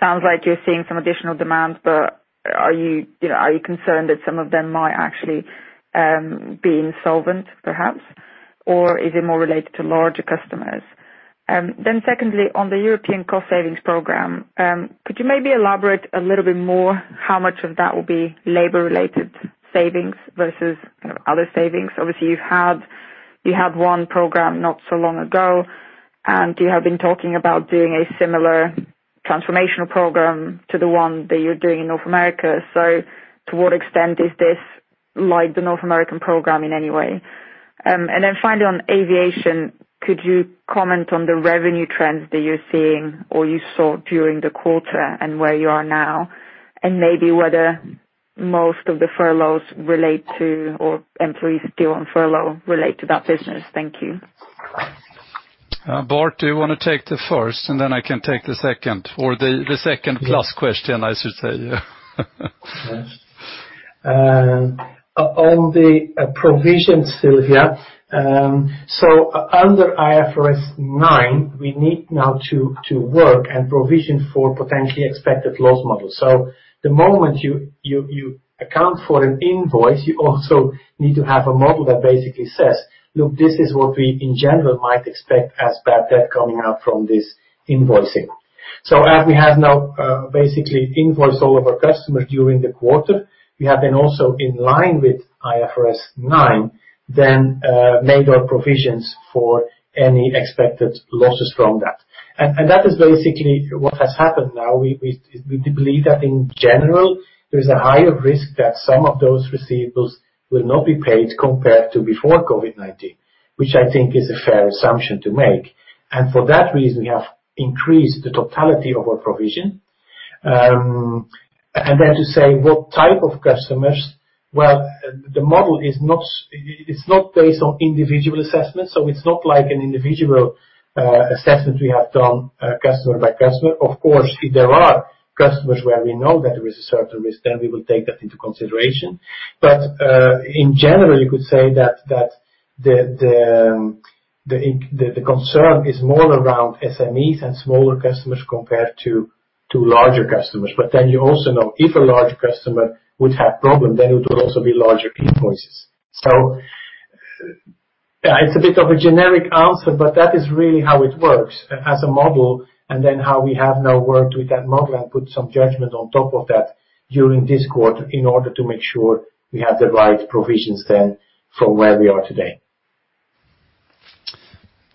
Sounds like you're seeing some additional demands, but are you concerned that some of them might actually be insolvent perhaps, or is it more related to larger customers? Secondly, on the European cost savings program, could you maybe elaborate a little bit more how much of that will be labor related savings versus other savings? Obviously you had one program not so long ago, and you have been talking about doing a similar transformational program to the one that you're doing in North America. To what extent is this like the North American program in any way? Finally on aviation, could you comment on the revenue trends that you are seeing or you saw during the quarter and where you are now? Maybe whether most of the furloughs relate to, or employees still on furlough relate to that business. Thank you. Bart, do you want to take the first and then I can take the second, or the second plus question I should say. On the provisions, Sylvia. Under IFRS 9, we need now to work and provision for potentially expected loss models. The moment you account for an invoice, you also need to have a model that basically says, look, this is what we in general might expect as bad debt coming out from this invoicing. As we have now basically invoiced all of our customers during the quarter, we have been also in line with IFRS 9, then made our provisions for any expected losses from that. That is basically what has happened now. We believe that in general, there is a higher risk that some of those receivables will not be paid compared to before COVID-19, which I think is a fair assumption to make. For that reason, we have increased the totality of our provision. To say what type of customers, well, the model it's not based on individual assessments, it's not like an individual assessment we have done customer by customer. Of course, if there are customers where we know that there is a certain risk, we will take that into consideration. In general, you could say that the concern is more around SMEs and smaller customers compared to larger customers. You also know if a larger customer would have problem, it would also be larger invoices. It's a bit of a generic answer, that is really how it works as a model, how we have now worked with that model and put some judgment on top of that during this quarter in order to make sure we have the right provisions for where we are today.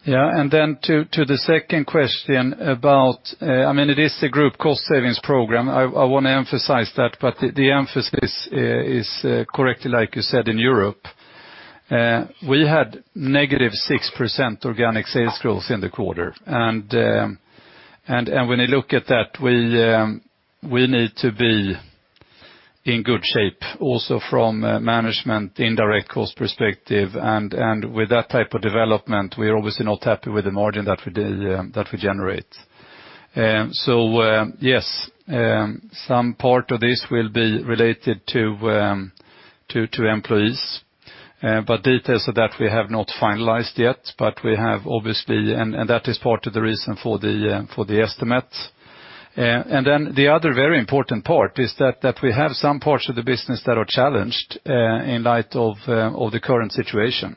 Yeah. To the second question about, it is a group cost savings program. I want to emphasize that, the emphasis is correctly, like you said, in Europe. We had negative 6% organic sales growth in the quarter. When you look at that, we need to be in good shape also from a management indirect cost perspective. With that type of development, we are obviously not happy with the margin that we generate. Yes, some part of this will be related to employees. Details of that we have not finalized yet, but we have obviously, and that is part of the reason for the estimate. Then the other very important part is that we have some parts of the business that are challenged in light of the current situation.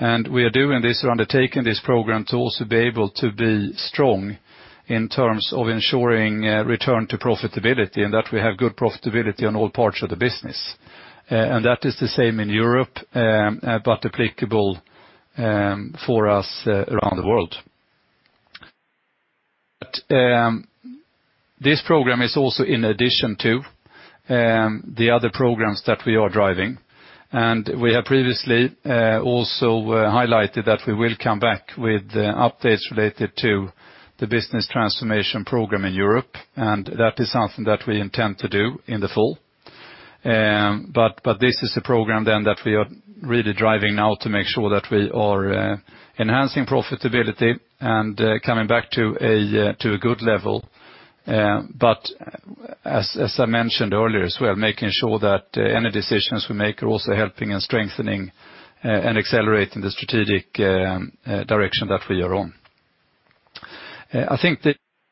We are doing this or undertaking this program to also be able to be strong in terms of ensuring a return to profitability, and that we have good profitability on all parts of the business. That is the same in Europe, but applicable for us around the world. This program is also in addition to the other programs that we are driving, and we have previously also highlighted that we will come back with updates related to the Business Transformation Program in Europe, and that is something that we intend to do in the fall. This is the program then that we are really driving now to make sure that we are enhancing profitability and coming back to a good level. As I mentioned earlier as well, making sure that any decisions we make are also helping and strengthening, and accelerating the strategic direction that we are on. I think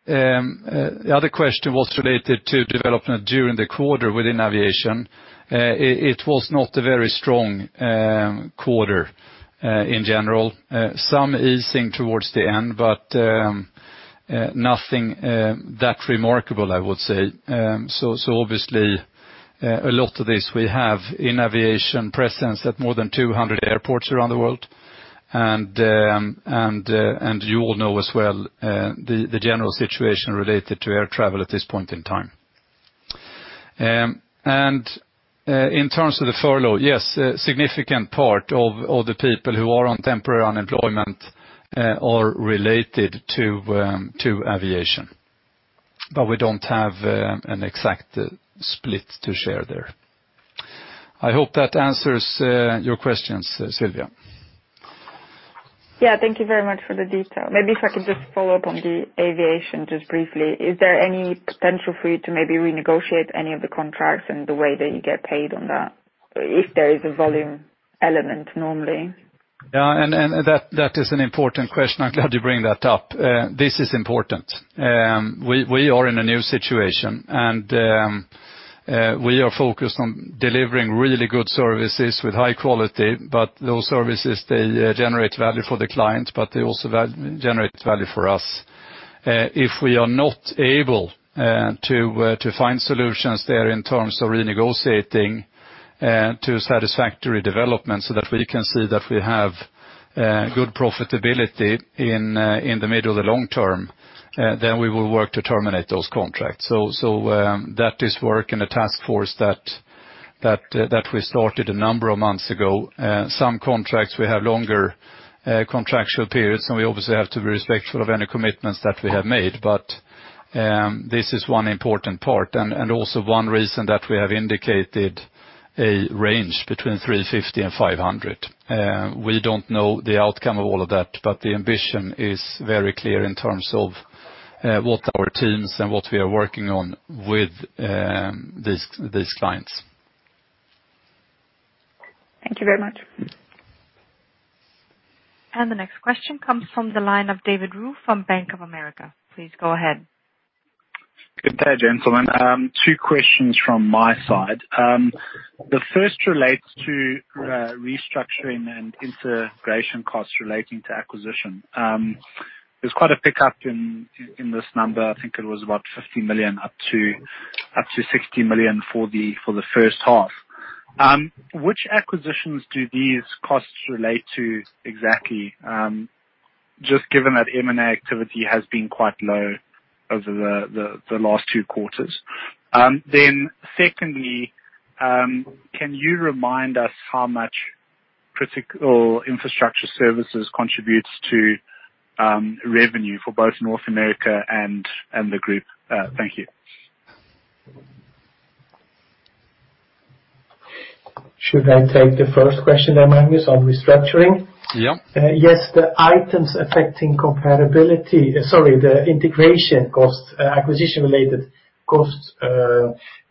the other question was related to development during the quarter within aviation. It was not a very strong quarter in general. Some easing towards the end, but nothing that remarkable, I would say. Obviously, a lot of this we have in aviation presence at more than 200 airports around the world. You all know as well the general situation related to air travel at this point in time. In terms of the furlough, yes, a significant part of the people who are on temporary unemployment are related to aviation, but we don't have an exact split to share there. I hope that answers your questions, Sylvia. Yeah, thank you very much for the detail. Maybe if I could just follow up on the aviation just briefly. Is there any potential for you to maybe renegotiate any of the contracts and the way that you get paid on that, if there is a volume element normally? That is an important question. I'm glad you bring that up. This is important. We are in a new situation, and we are focused on delivering really good services with high quality, but those services, they generate value for the client, but they also generate value for us. If we are not able to find solutions there in terms of renegotiating to a satisfactory development so that we can see that we have good profitability in the medium to long term, then we will work to terminate those contracts. That is work in a task force that we started a number of months ago. Some contracts, we have longer contractual periods, and we obviously have to be respectful of any commitments that we have made. This is one important part and also one reason that we have indicated a range between 350 and 500. We don't know the outcome of all of that, but the ambition is very clear in terms of what our teams and what we are working on with these clients. Thank you very much. The next question comes from the line of David Roux from Bank of America. Please go ahead. Good day, gentlemen. Two questions from my side. The first relates to restructuring and integration costs relating to acquisition. There's quite a pickup in this number. I think it was about 50 million up to 60 million for the first half. Which acquisitions do these costs relate to exactly? Given that M&A activity has been quite low over the last two quarters. Secondly, can you remind us how much Critical Infrastructure Services contributes to revenue for both North America and the group? Thank you. Should I take the first question there, Magnus, on restructuring? Yeah. Yes, the items affecting comparability, sorry, the integration cost, acquisition-related costs,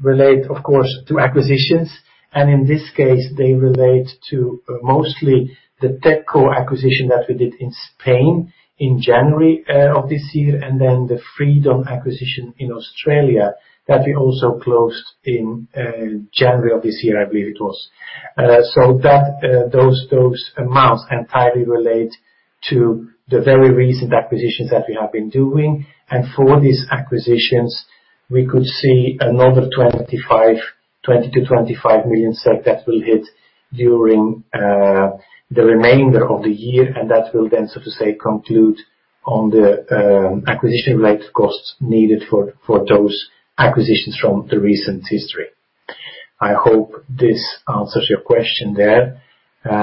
relate of course to acquisitions, and in this case, they relate to mostly the Techco acquisition that we did in Spain in January of this year, and then the Fredon acquisition in Australia that we also closed in January of this year, I believe it was. Those amounts entirely relate to the very recent acquisitions that we have been doing. For these acquisitions, we could see another 20 million-25 million SEK that will hit during the remainder of the year, and that will then, so to say, conclude on the acquisition-related costs needed for those acquisitions from the recent history. I hope this answers your question there. Yeah,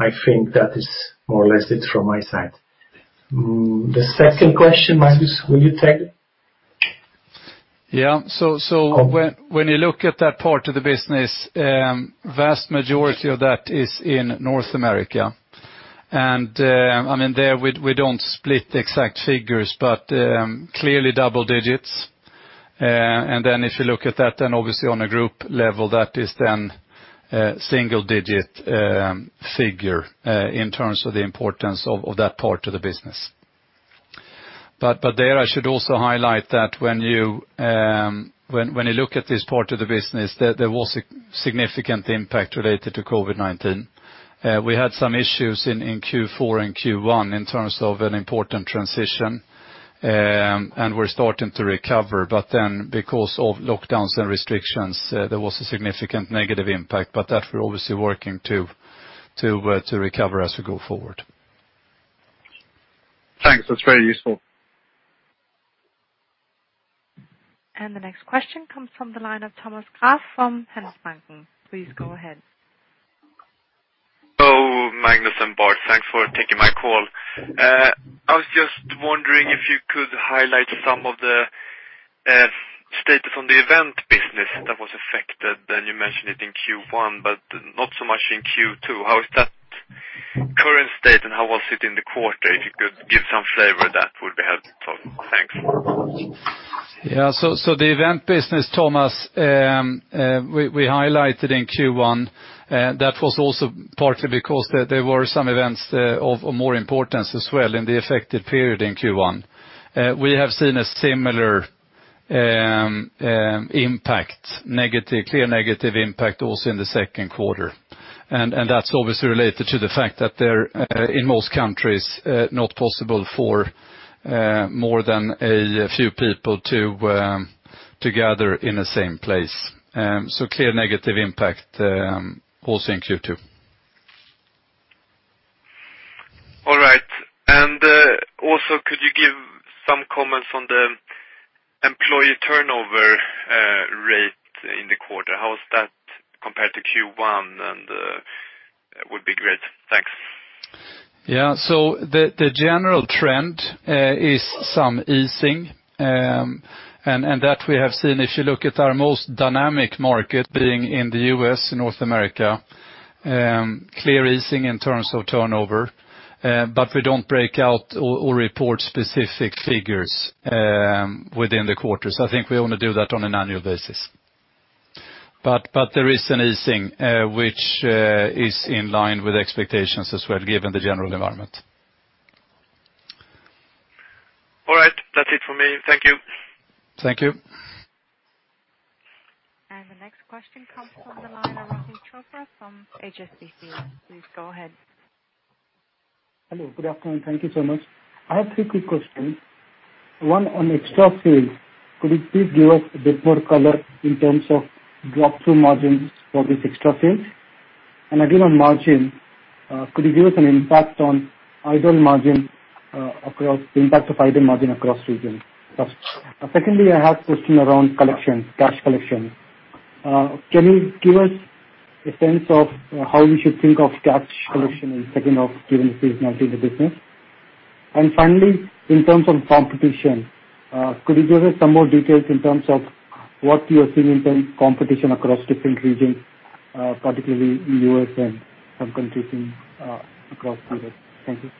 I think that is more or less it from my side. The second question, Magnus, will you take? Yeah. When you look at that part of the business, vast majority of that is in North America. There we don't split the exact figures, but clearly double digits. If you look at that then obviously on a group level, that is then a single-digit figure, in terms of the importance of that part of the business. There I should also highlight that when you look at this part of the business, there was a significant impact related to COVID-19. We had some issues in Q4 and Q1 in terms of an important transition, and we're starting to recover. Because of lockdowns and restrictions, there was a significant negative impact. That we're obviously working to recover as we go forward. Thanks. That's very useful. The next question comes from the line of Thomas Graf from Handelsbanken. Please go ahead. Hello, Magnus and Bart. Thanks for taking my call. I was just wondering if you could highlight some of the status on the event business that was affected, and you mentioned it in Q1, but not so much in Q2. How is that current state and how was it in the quarter? If you could give some flavor, that would be helpful. Thanks. The event business, Thomas, we highlighted in Q1, that was also partly because there were some events of more importance as well in the effective period in Q1. We have seen a similar impact, clear negative impact also in the second quarter. That's obviously related to the fact that they're, in most countries not possible for more than a few people to gather in the same place. Clear negative impact also in Q2. All right. Also, could you give some comments on the employee turnover rate in the quarter? How is that compared to Q1 and would be great? Thanks. Yeah. The general trend is some easing, and that we have seen if you look at our most dynamic market being in the U.S., North America, clear easing in terms of turnover, but we don't break out or report specific figures within the quarters. I think we only do that on an annual basis. There is an easing, which is in line with expectations as well, given the general environment. All right. That's it for me. Thank you. Thank you. The next question comes from the line of Rahul Chopra from HSBC. Please go ahead. Hello, good afternoon. Thank you so much. I have three quick questions. One on extra sales. Could you please give us a bit more color in terms of drop through margins for these extra sales? Again, on margin, could you give us an impact of idle margin across regions? First. Secondly, I have question around collection, cash collection. Can you give us a sense of how we should think of cash collection in second half given seasonality in the business? Finally, in terms of competition, could you give us some more details in terms of what you are seeing in terms of competition across different regions, particularly in U.S. and some countries across Europe? Thank you.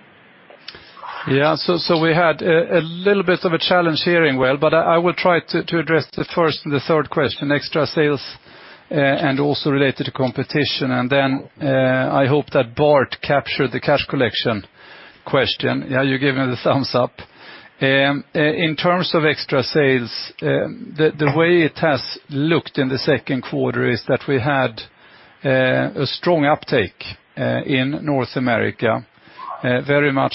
Yeah. We had a little bit of a challenge hearing well, but I will try to address the first and the third question, extra sales, and also related to competition. I hope that Bart captured the cash collection question. Yeah, you're giving me the thumbs up. In terms of extra sales, the way it has looked in the second quarter is that we had a strong uptake in North America, very much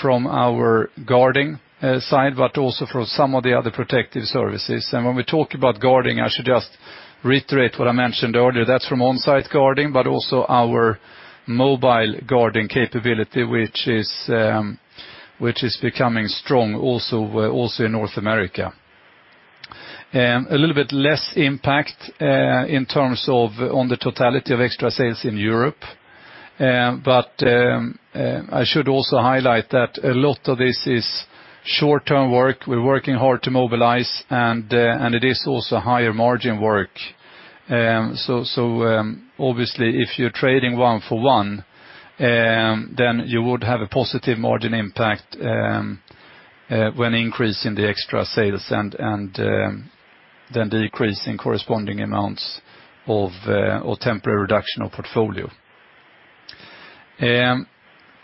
from our guarding side, but also from some of the other protective services. When we talk about guarding, I should just reiterate what I mentioned earlier, that's from on-site guarding, but also our mobile guarding capability, which is becoming strong also in North America. A little bit less impact in terms of on the totality of extra sales in Europe. I should also highlight that a lot of this is short-term work. We're working hard to mobilize, and it is also higher margin work. Obviously if you're trading one for one, then you would have a positive margin impact when increasing the extra sales and then decreasing corresponding amounts of or temporary reduction of portfolio.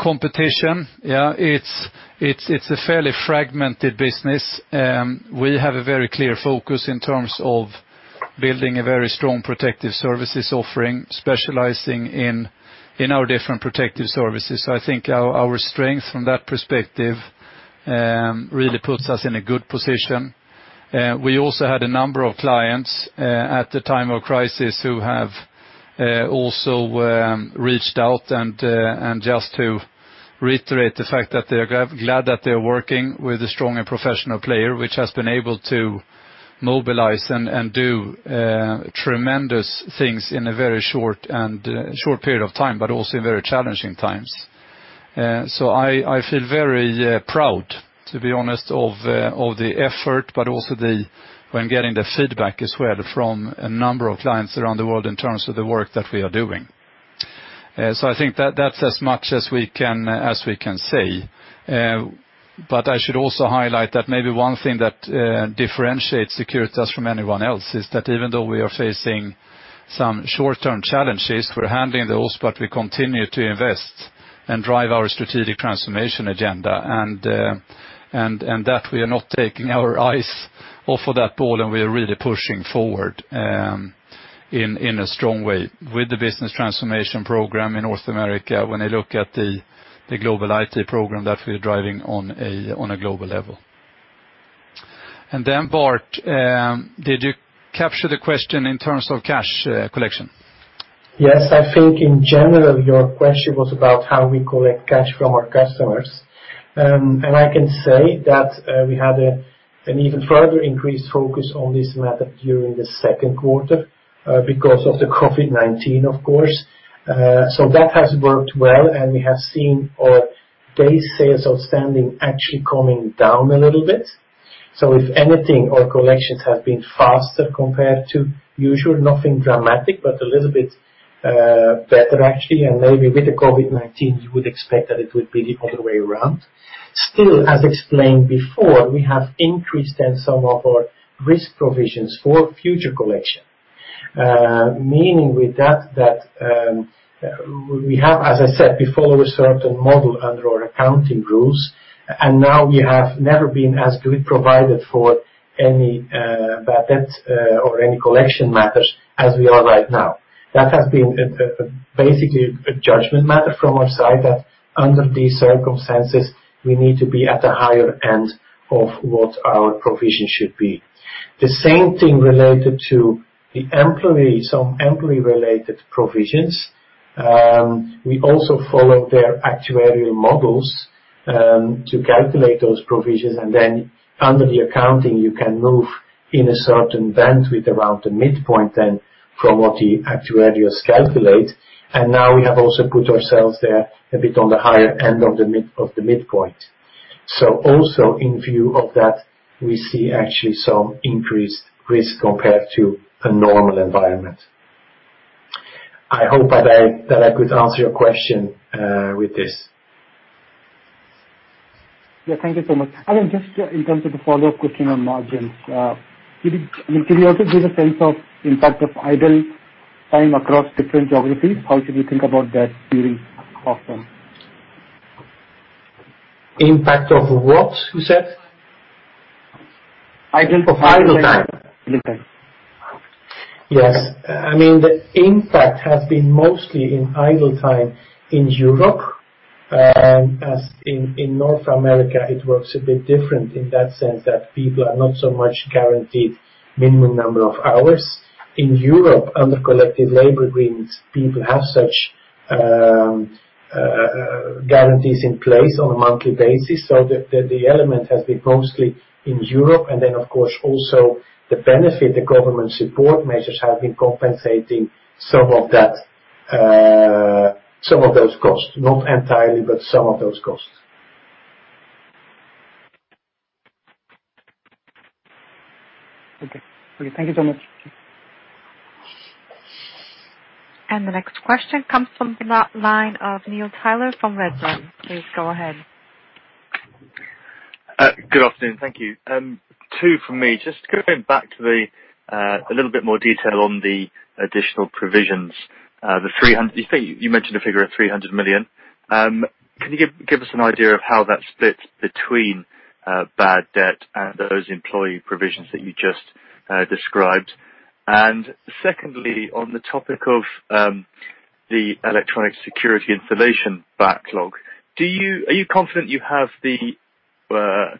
Competition. It's a fairly fragmented business. We have a very clear focus in terms of building a very strong protective services offering, specializing in our different protective services. I think our strength from that perspective really puts us in a good position. We also had a number of clients at the time of crisis who have also reached out and just to reiterate the fact that they're glad that they're working with a strong and professional player, which has been able to mobilize and do tremendous things in a very short period of time, but also in very challenging times. I feel very proud, to be honest, of the effort, but also when getting the feedback as well from a number of clients around the world in terms of the work that we are doing. I think that's as much as we can say. I should also highlight that maybe one thing that differentiates Securitas from anyone else is that even though we are facing some short-term challenges. We're handling those, but we continue to invest and drive our strategic transformation agenda, and that we are not taking our eyes off of that ball, and we are really pushing forward in a strong way with the business transformation program in North America when I look at the global IT program that we're driving on a global level. Bart, did you capture the question in terms of cash collection? Yes. I think in general, your question was about how we collect cash from our customers. I can say that we had an even further increased focus on this matter during the second quarter because of the COVID-19, of course. That has worked well, and we have seen our days sales outstanding actually coming down a little bit. If anything, our collections have been faster compared to usual, nothing dramatic, but a little bit better, actually, and maybe with the COVID-19, you would expect that it would be the other way around. Still, as explained before, we have increased then some of our risk provisions for future collection. Meaning with that we have, as I said before, a certain model under our accounting rules, and now we have never been as good provided for any bad debt or any collection matters as we are right now. That has been basically a judgment matter from our side that under these circumstances, we need to be at a higher end of what our provision should be. The same thing related to some employee-related provisions. We also follow their actuarial models to calculate those provisions, and then under the accounting, you can move in a certain bandwidth around the midpoint then from what the actuaries calculate. Now we have also put ourselves there a bit on the higher end of the midpoint. Also in view of that, we see actually some increased risk compared to a normal environment. I hope that I could answer your question with this. Yeah. Thank you so much. Then just in terms of the follow-up question on margins, can you also give a sense of impact of idle time across different geographies? How should we think about that during autumn? Impact of what, you said? Idle time. Of idle time. Idle time. Yes. The impact has been mostly in idle time in Europe, as in North America, it works a bit different in that sense that people are not so much guaranteed minimum number of hours. In Europe, under collective labor agreements, people have such guarantees in place on a monthly basis. The element has been mostly in Europe. Of course, also the benefit the government support measures have been compensating some of those costs, not entirely, but some of those costs. Okay. Thank you so much. The next question comes from the line of Neil Tyler from Redburn. Please go ahead. Good afternoon. Thank you. Two from me. Just going back to a little bit more detail on the additional provisions. You mentioned a figure of 300 million. Can you give us an idea of how that splits between bad debt and those employee provisions that you just described? Secondly, on the topic of the electronic security installation backlog, are you confident you have the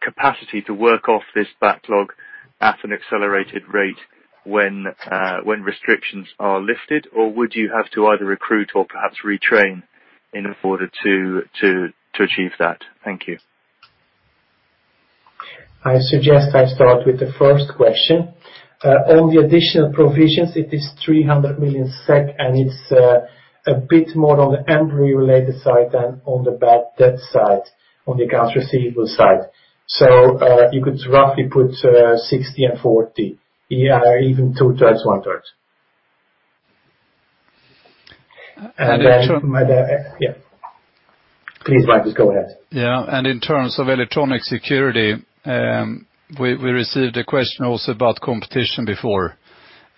capacity to work off this backlog at an accelerated rate when restrictions are lifted? Or would you have to either recruit or perhaps retrain in order to achieve that? Thank you. I suggest I start with the first question. On the additional provisions, it is 300 million SEK, and it's a bit more on the employee-related side than on the bad debt side, on the accounts receivable side. You could roughly put 60 and 40. Yeah, even two-thirds, one-third. And in- Yeah. Please, Magnus, go ahead. Yeah. In terms of electronic security, we received a question also about competition before.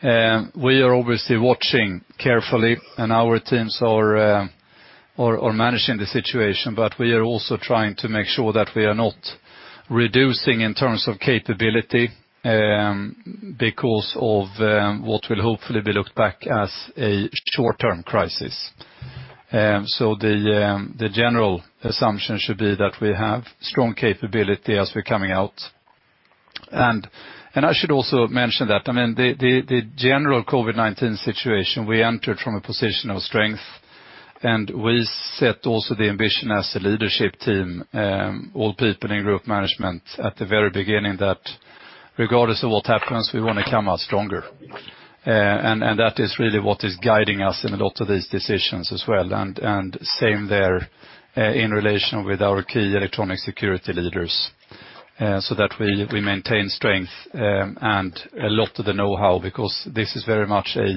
We are obviously watching carefully, and our teams are managing the situation, but we are also trying to make sure that we are not reducing in terms of capability because of what will hopefully be looked back as a short-term crisis. The general assumption should be that we have strong capability as we're coming out. I should also mention that the general COVID-19 situation, we entered from a position of strength, and we set also the ambition as a leadership team, all people in group management at the very beginning that regardless of what happens, we want to come out stronger. That is really what is guiding us in a lot of these decisions as well. Same there in relation with our key electronic security leaders, so that we maintain strength and a lot of the knowhow because this is very much a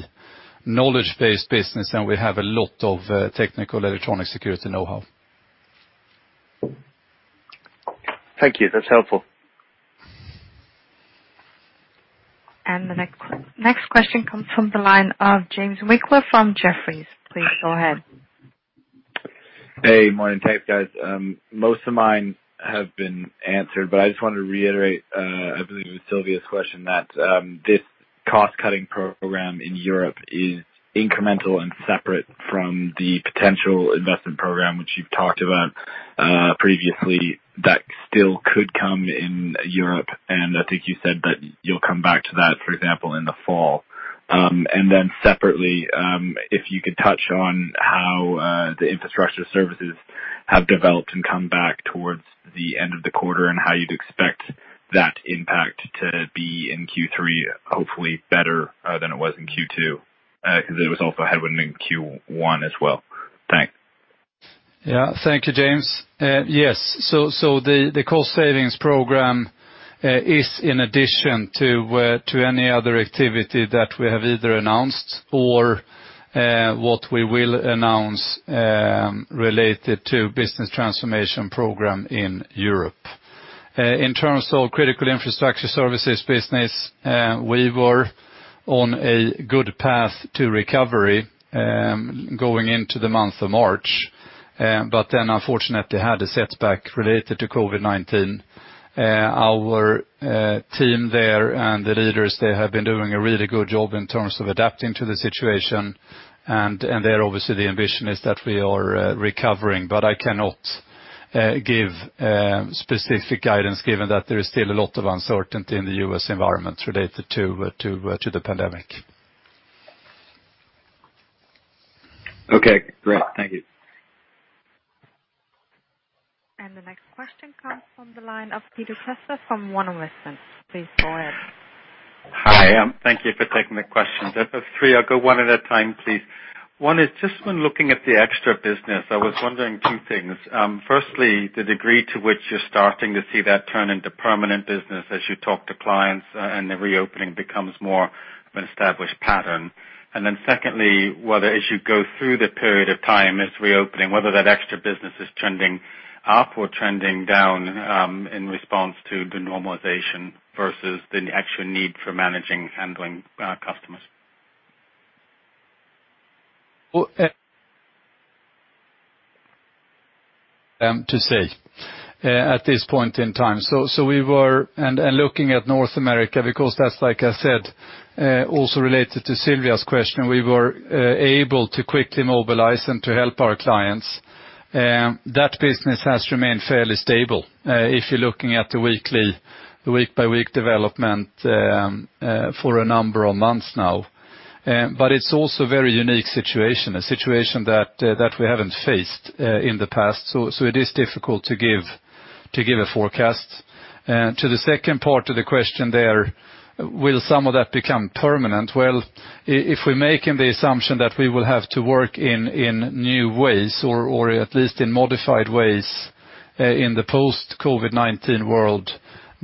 knowledge-based business. We have a lot of technical electronic security knowhow. Thank you. That's helpful. The next question comes from the line of James Winckler from Jefferies. Please go ahead. Hey, morning to you, guys. I just wanted to reiterate, I believe it was Sylvia's question, that this cost-cutting program in Europe is incremental and separate from the potential investment program which you've talked about previously that still could come in Europe. I think you said that you'll come back to that, for example, in the fall. Separately, if you could touch on how the infrastructure services have developed and come back towards the end of the quarter, and how you'd expect that impact to be in Q3, hopefully better than it was in Q2, because it was also a headwind in Q1 as well. Thanks. Thank you, James. The cost savings program is in addition to any other activity that we have either announced or what we will announce related to business transformation program in Europe. In terms of Securitas Critical Infrastructure Services business, we were on a good path to recovery going into the month of March. Unfortunately had a setback related to COVID-19. Our team there and the leaders there have been doing a really good job in terms of adapting to the situation. There obviously the ambition is that we are recovering, I cannot give specific guidance given that there is still a lot of uncertainty in the U.S. environment related to the pandemic. Okay, great. Thank you. The next question comes from the line of Peter Kesser from 101 West. Please go ahead. Hi. Thank you for taking the question. There's three. I'll go one at a time, please. One is just when looking at the extra business, I was wondering two things. Firstly, the degree to which you're starting to see that turn into permanent business as you talk to clients and the reopening becomes more of an established pattern. Secondly, whether as you go through the period of time as reopening, whether that extra business is trending up or trending down in response to the normalization versus the actual need for managing handling customers. To say at this point in time. Looking at North America, because that's, like I said, also related to Sylvia's question, we were able to quickly mobilize and to help our clients. That business has remained fairly stable. If you're looking at the week-by-week development for a number of months now. It's also a very unique situation, a situation that we haven't faced in the past. It is difficult to give a forecast. To the second part of the question there, will some of that become permanent? If we're making the assumption that we will have to work in new ways or at least in modified ways in the post-COVID-19 world,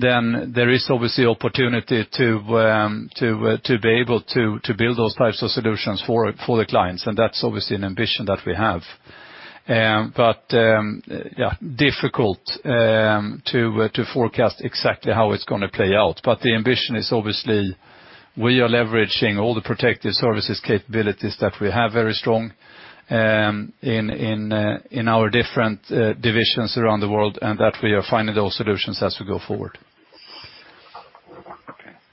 there is obviously opportunity to be able to build those types of solutions for the clients, and that's obviously an ambition that we have. Difficult to forecast exactly how it's going to play out. The ambition is obviously we are leveraging all the protective services capabilities that we have very strong in our different divisions around the world, and that we are finding those solutions as we go forward.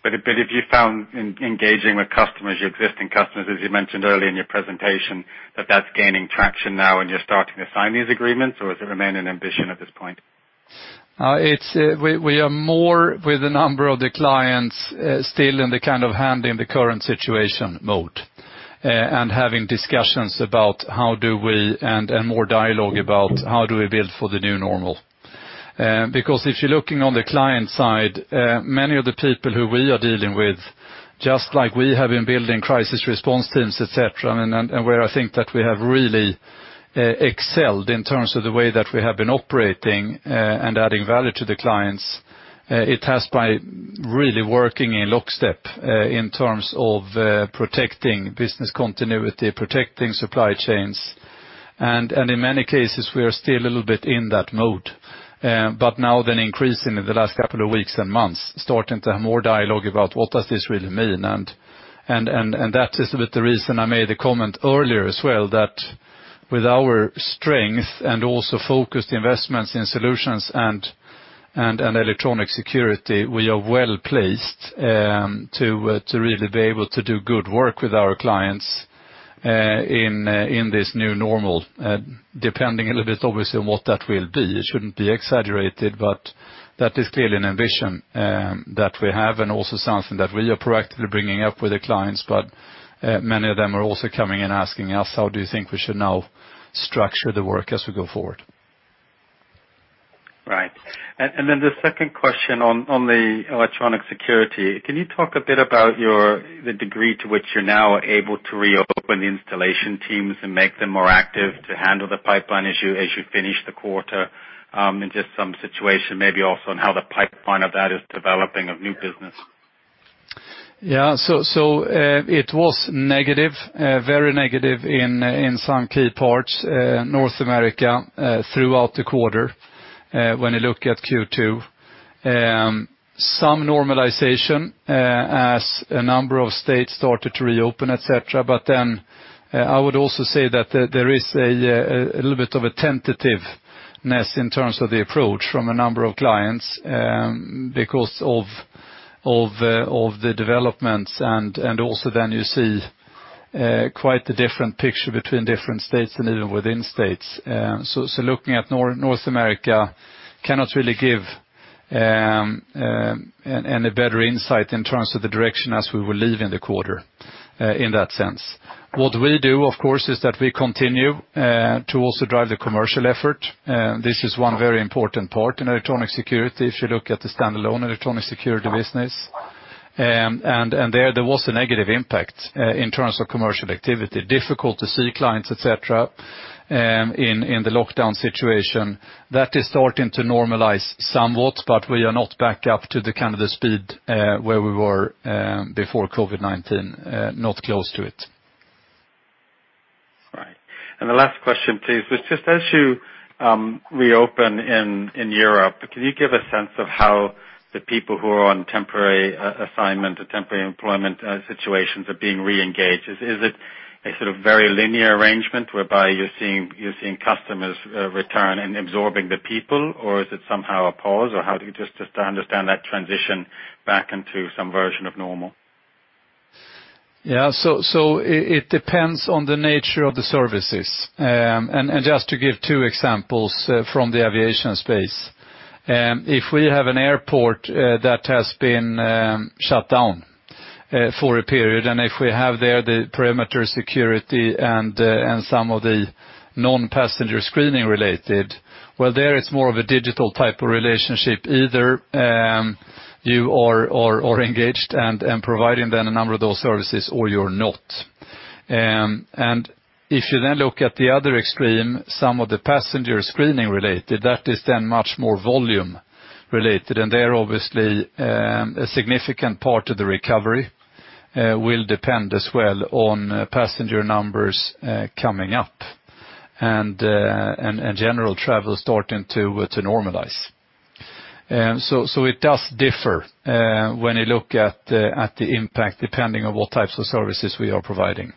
Okay. Have you found engaging with customers, your existing customers, as you mentioned earlier in your presentation, that that's gaining traction now and you're starting to sign these agreements, or does it remain an ambition at this point? We are more with a number of the clients still in the kind of handling the current situation mode, and more dialogue about how do we build for the new normal? If you're looking on the client side, many of the people who we are dealing with, just like we have been building crisis response teams, et cetera, and where I think that we have really excelled in terms of the way that we have been operating and adding value to the clients. It has by really working in lockstep in terms of protecting business continuity, protecting supply chains. In many cases, we are still a little bit in that mode. Now then increasing in the last couple of weeks and months, starting to have more dialogue about what does this really mean. That is a bit the reason I made a comment earlier as well, that with our strength and also focused investments in solutions and electronic security, we are well-placed to really be able to do good work with our clients in this new normal, depending a little bit obviously on what that will be. It shouldn't be exaggerated, but that is clearly an ambition that we have and also something that we are proactively bringing up with the clients. Many of them are also coming and asking us, how do you think we should now structure the work as we go forward? Right. The second question on the electronic security. Can you talk a bit about the degree to which you're now able to reopen the installation teams and make them more active to handle the pipeline as you finish the quarter? Just some situation maybe also on how the pipeline of that is developing of new business. It was very negative in some key parts, North America throughout the quarter when you look at Q2. Some normalization as a number of states started to reopen, et cetera. I would also say that there is a little bit of a tentativeness in terms of the approach from a number of clients, because of the developments, and also then you see quite a different picture between different states and even within states. Looking at North America cannot really give any better insight in terms of the direction as we were leaving the quarter, in that sense. What we do, of course, is that we continue to also drive the commercial effort. This is one very important part in electronic security. If you look at the standalone electronic security business, there was a negative impact in terms of commercial activity, difficult to see clients, et cetera, in the lockdown situation. That is starting to normalize somewhat, we are not back up to the kind of the speed where we were before COVID-19. Not close to it. Right. The last question, please, was just as you reopen in Europe, can you give a sense of how the people who are on temporary assignment or temporary employment situations are being re-engaged? Is it a sort of very linear arrangement whereby you're seeing customers return and absorbing the people, or is it somehow a pause, just to understand that transition back into some version of normal? Yeah. It depends on the nature of the services. Just to give two examples from the aviation space. If we have an airport that has been shut down for a period, and if we have there the perimeter security and some of the non-passenger screening related, well, there it's more of a digital type of relationship. Either you are engaged and providing then a number of those services or you're not. If you then look at the other extreme, some of the passenger screening related, that is then much more volume related. There obviously a significant part of the recovery will depend as well on passenger numbers coming up and general travel starting to normalize. It does differ when you look at the impact, depending on what types of services we are providing.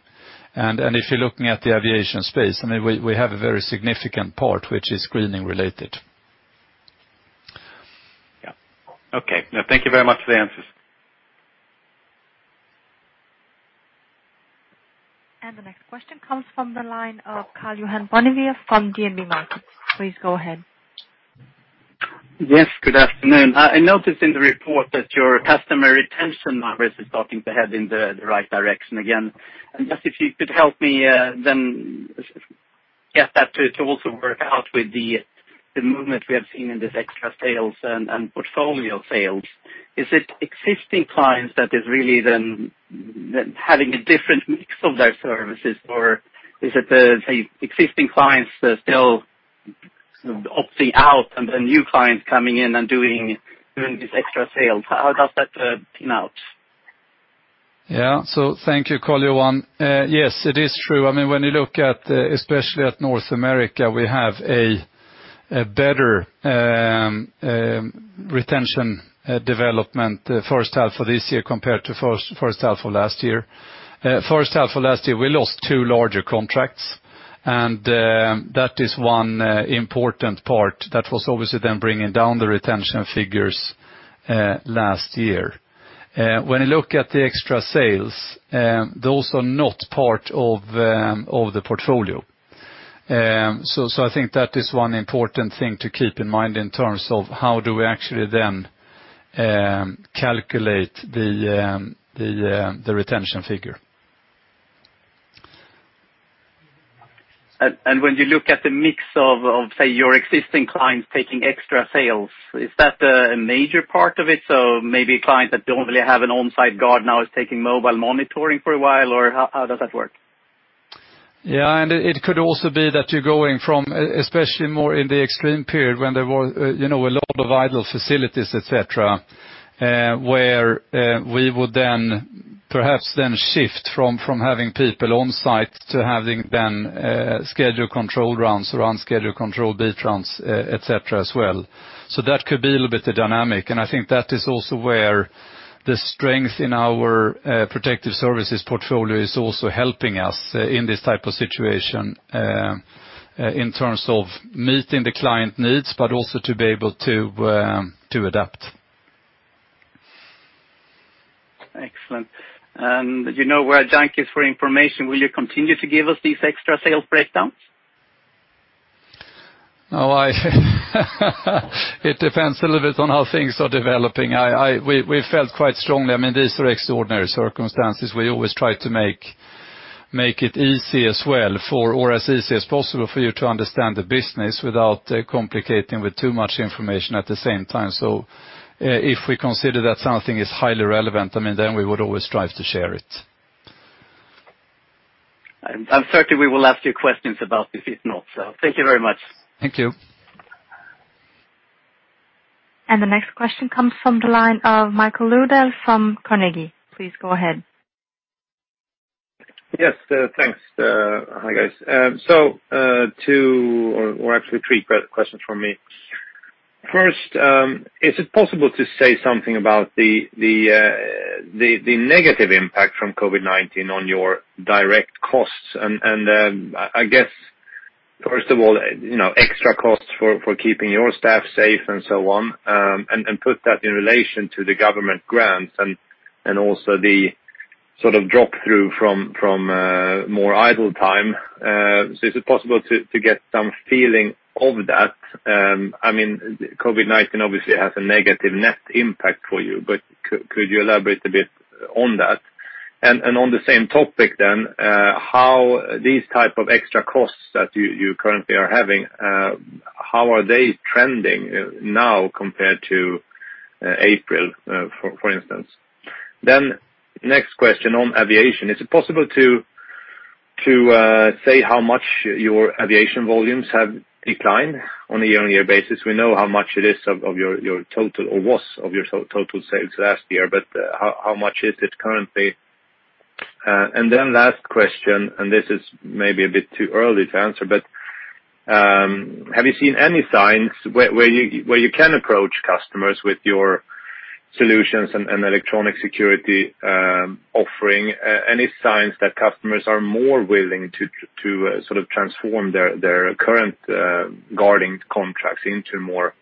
If you're looking at the aviation space, we have a very significant part which is screening related. Yeah. Okay. No, thank you very much for the answers. The next question comes from the line of Karl-Johan Bonnevier from DNB Markets. Please go ahead. Yes, good afternoon. I noticed in the report that your customer retention numbers is starting to head in the right direction again. Just if you could help me then get that to also work out with the movement we have seen in this extra sales and portfolio sales. Is it existing clients that is really then having a different mix of their services? Or is it the existing clients that still opting out and the new clients coming in and doing this extra sales? How does that pan out? Yeah. Thank you, Karl-Johan. Yes, it is true. When you look at, especially at North America, we have a better retention development first half of this year compared to first half of last year. First half of last year, we lost two larger contracts, and that is one important part that was obviously then bringing down the retention figures last year. When you look at the extra sales, those are not part of the portfolio. I think that is one important thing to keep in mind in terms of how do we actually then calculate the retention figure. When you look at the mix of, say, your existing clients taking extra sales, is that a major part of it? Maybe clients that don't really have an on-site guard now is taking mobile monitoring for a while, or how does that work? It could also be that you're going from, especially more in the extreme period when there were a lot of idle facilities, et cetera, where we would perhaps then shift from having people on site to having then scheduled control rounds or unscheduled control beat rounds, et cetera as well. That could be a little bit the dynamic, and I think that is also where the strength in our protective services portfolio is also helping us in this type of situation, in terms of meeting the client needs, but also to be able to adapt. Excellent. You know we're junkies for information. Will you continue to give us these extra sales breakdowns? It depends a little bit on how things are developing. We've felt quite strongly, these are extraordinary circumstances. We always try to make it easy as well for, or as easy as possible for you to understand the business without complicating with too much information at the same time. If we consider that something is highly relevant, then we would always strive to share it. I'm certain we will ask you questions about this if not. Thank you very much. Thank you. The next question comes from the line of Michael Ludell from Carnegie. Please go ahead. Yes. Thanks. Hi, guys. Two or actually three questions from me. First, is it possible to say something about the negative impact from COVID-19 on your direct costs and I guess first of all, extra costs for keeping your staff safe and so on, and put that in relation to the government grants and also the sort of drop-through from more idle time. Is it possible to get some feeling of that? COVID-19 obviously has a negative net impact for you, but could you elaborate a bit on that? On the same topic then, how these type of extra costs that you currently are having, how are they trending now compared to April, for instance? Next question on aviation. Is it possible to say how much your aviation volumes have declined on a year-on-year basis? We know how much it is of your total or was of your total sales last year. How much is it currently? Last question, and this is maybe a bit too early to answer, but, have you seen any signs where you can approach customers with your solutions and electronic security offering, any signs that customers are more willing to sort of transform their current guarding contracts into more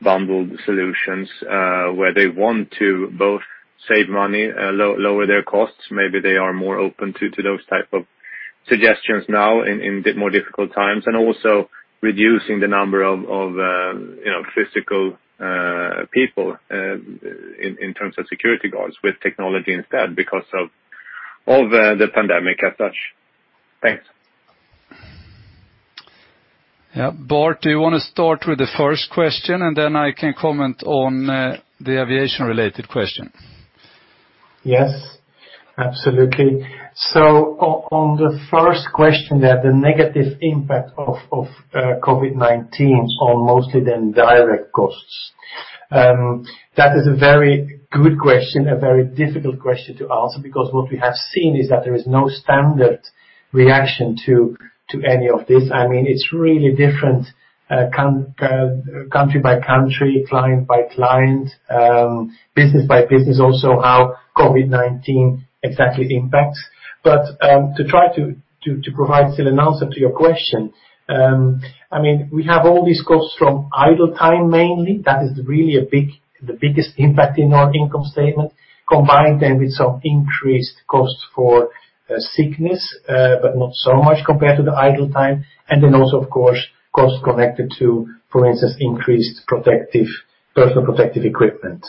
bundled solutions, where they want to both save money, lower their costs, maybe they are more open to those type of suggestions now in more difficult times, and also reducing the number of physical people in terms of security guards with technology instead because of all the pandemic as such? Thanks. Yeah. Bart, do you want to start with the first question and then I can comment on the aviation related question? Yes, absolutely. On the first question there, the negative impact of COVID-19 on mostly then direct costs. That is a very good question, a very difficult question to answer because what we have seen is that there is no standard reaction to any of this. It's really different country by country, client by client, business by business also how COVID-19 exactly impacts. To try to provide still an answer to your question. We have all these costs from idle time mainly. That is really the biggest impact in our income statement, combined then with some increased cost for sickness, but not so much compared to the idle time. Then also of course, cost connected to, for instance, increased personal protective equipment.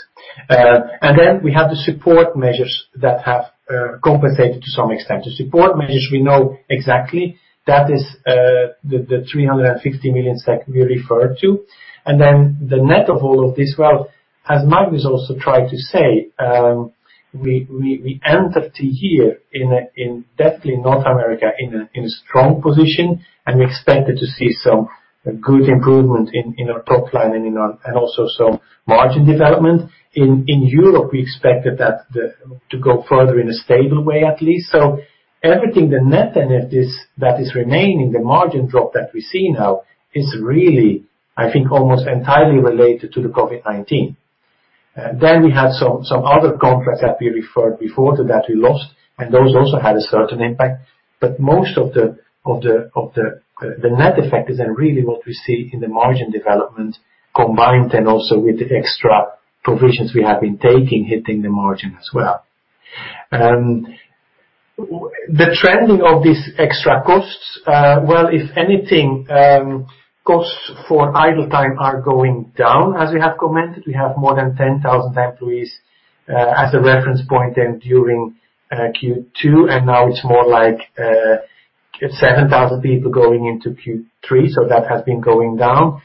Then we have the support measures that have compensated to some extent. The support measures we know exactly that is the 350 million SEK that we referred to. The net of all of this, well, as Magnus also tried to say, we entered the year definitely in North America in a strong position, and we expected to see some good improvement in our top line and also some margin development. In Europe, we expected that to go further in a stable way at least. Everything, the net of this that is remaining, the margin drop that we see now is really, I think almost entirely related to the COVID-19. We had some other contracts that we referred before to that we lost, and those also had a certain impact. Most of the net effect is then really what we see in the margin development combined then also with the extra provisions we have been taking, hitting the margin as well. The trending of these extra costs, well if anything, costs for idle time are going down as we have commented. We have more than 10,000 employees, as a reference point then during Q2, and now it's more like 7,000 people going into Q3, so that has been going down.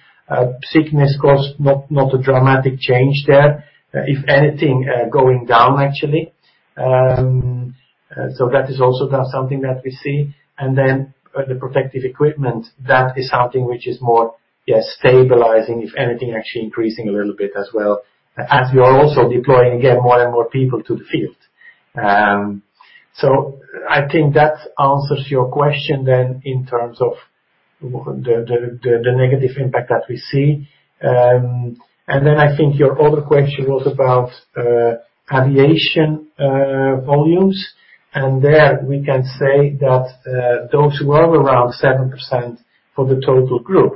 Sickness cost, not a dramatic change there. If anything, going down actually. That is also something that we see. The protective equipment, that is something which is more stabilizing, if anything actually increasing a little bit as well as we are also deploying again more and more people to the field. I think that answers your question then in terms of the negative impact that we see. I think your other question was about aviation volumes. There we can say that those were around 7% for the total group.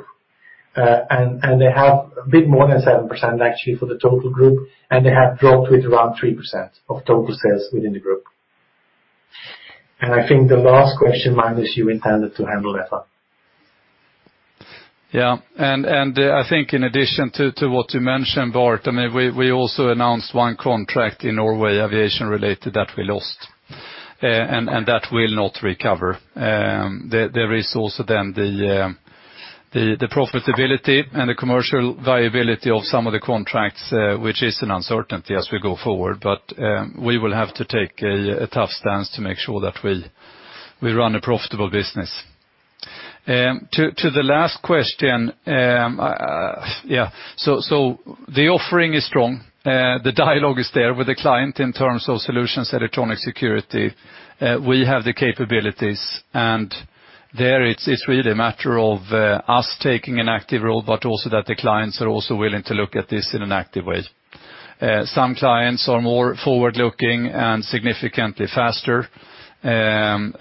A bit more than 7% actually for the total group, and they have dropped with around 3% of total sales within the group. I think the last question, Magnus, you intended to handle that one. Yeah. I think in addition to what you mentioned, Bart, we also announced one contract in Norway aviation related that we lost, and that will not recover. There is also the profitability and the commercial viability of some of the contracts, which is an uncertainty as we go forward. We will have to take a tough stance to make sure that we run a profitable business. To the last question. The offering is strong, the dialogue is there with the client in terms of solutions, electronic security. We have the capabilities, there it's really a matter of us taking an active role, also that the clients are also willing to look at this in an active way. Some clients are more forward-looking and significantly faster, and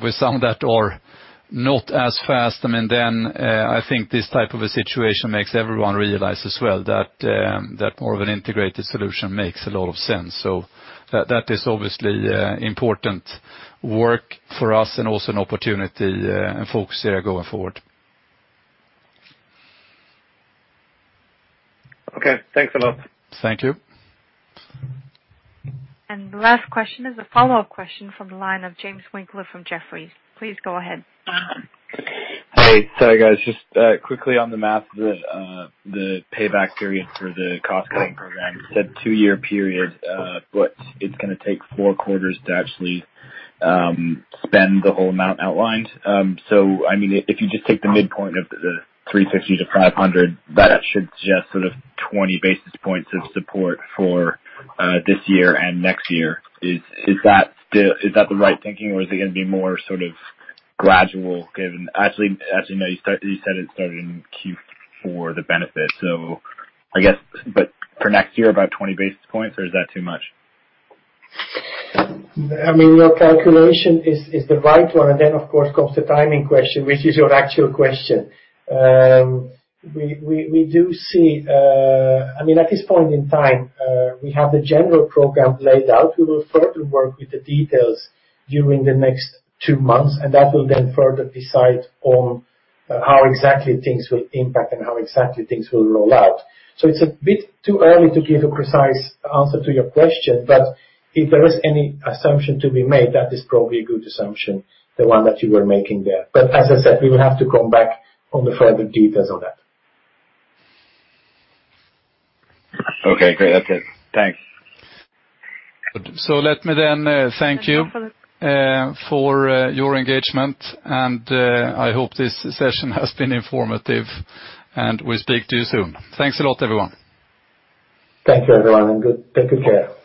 with some that are not as fast, then I think this type of a situation makes everyone realize as well that more of an integrated solution makes a lot of sense. That is obviously important work for us and also an opportunity and focus there going forward. Okay, thanks a lot. Thank you. The last question is a follow-up question from the line of James Winckler from Jefferies. Please go ahead. Hey, sorry guys, just quickly on the math, the payback period for the cost-cutting program, you said two-year period, but it's going to take four quarters to actually spend the whole amount outlined. If you just take the midpoint of the 360-500, that should suggest sort of 20 basis points of support for this year and next year. Is that the right thinking or is it going to be more sort of gradual given. Actually, as you know, you said it started in Q4, the benefit. I guess for next year, about 20 basis points or is that too much? Your calculation is the right one. Of course comes the timing question, which is your actual question. At this point in time, we have the general program laid out. We will further work with the details during the next two months. That will then further decide on how exactly things will impact and how exactly things will roll out. It's a bit too early to give a precise answer to your question. If there is any assumption to be made, that is probably a good assumption, the one that you were making there. As I said, we will have to come back on the further details of that. Okay, great. That's it. Thanks. Let me then thank you for your engagement, and I hope this session has been informative, and we speak to you soon. Thanks a lot, everyone. Thank you everyone. Take good care.